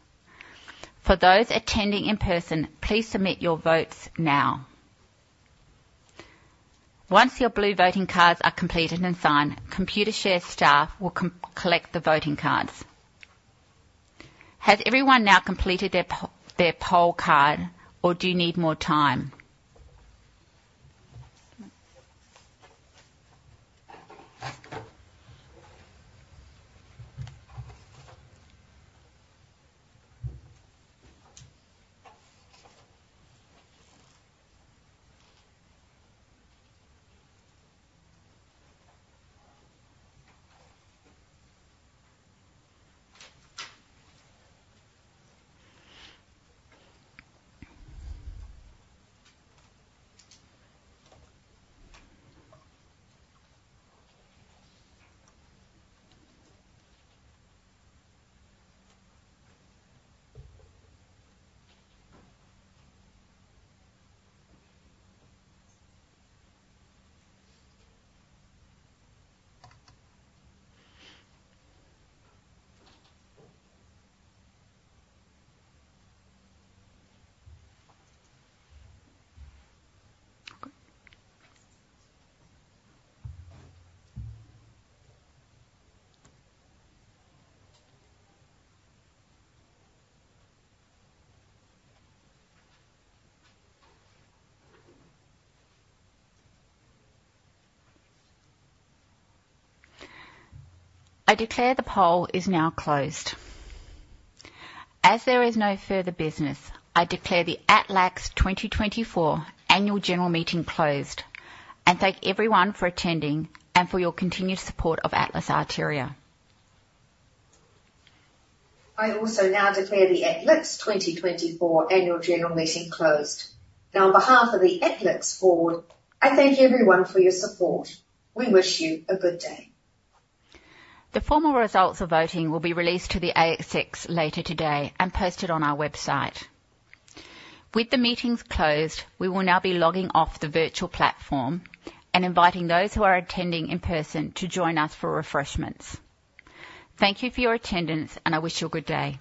[SPEAKER 2] For those attending in person, please submit your votes now. Once your blue voting cards are completed and signed, Computershare staff will collect the voting cards. Has everyone now completed their poll card, or do you need more time? I declare the poll is now closed. As there is no further business, I declare the Atlas Arteria 2024 Annual General Meeting closed, and thank everyone for attending and for your continued support of Atlas Arteria.
[SPEAKER 3] I also now declare the Atlas Arteria 2024 Annual General Meeting closed. Now, on behalf of the Atlas Arteria board, I thank everyone for your support. We wish you a good day.
[SPEAKER 2] The formal results of voting will be released to the ASX later today and posted on our website. With the meetings closed, we will now be logging off the virtual platform and inviting those who are attending in person to join us for refreshments. Thank you for your attendance, and I wish you a good day.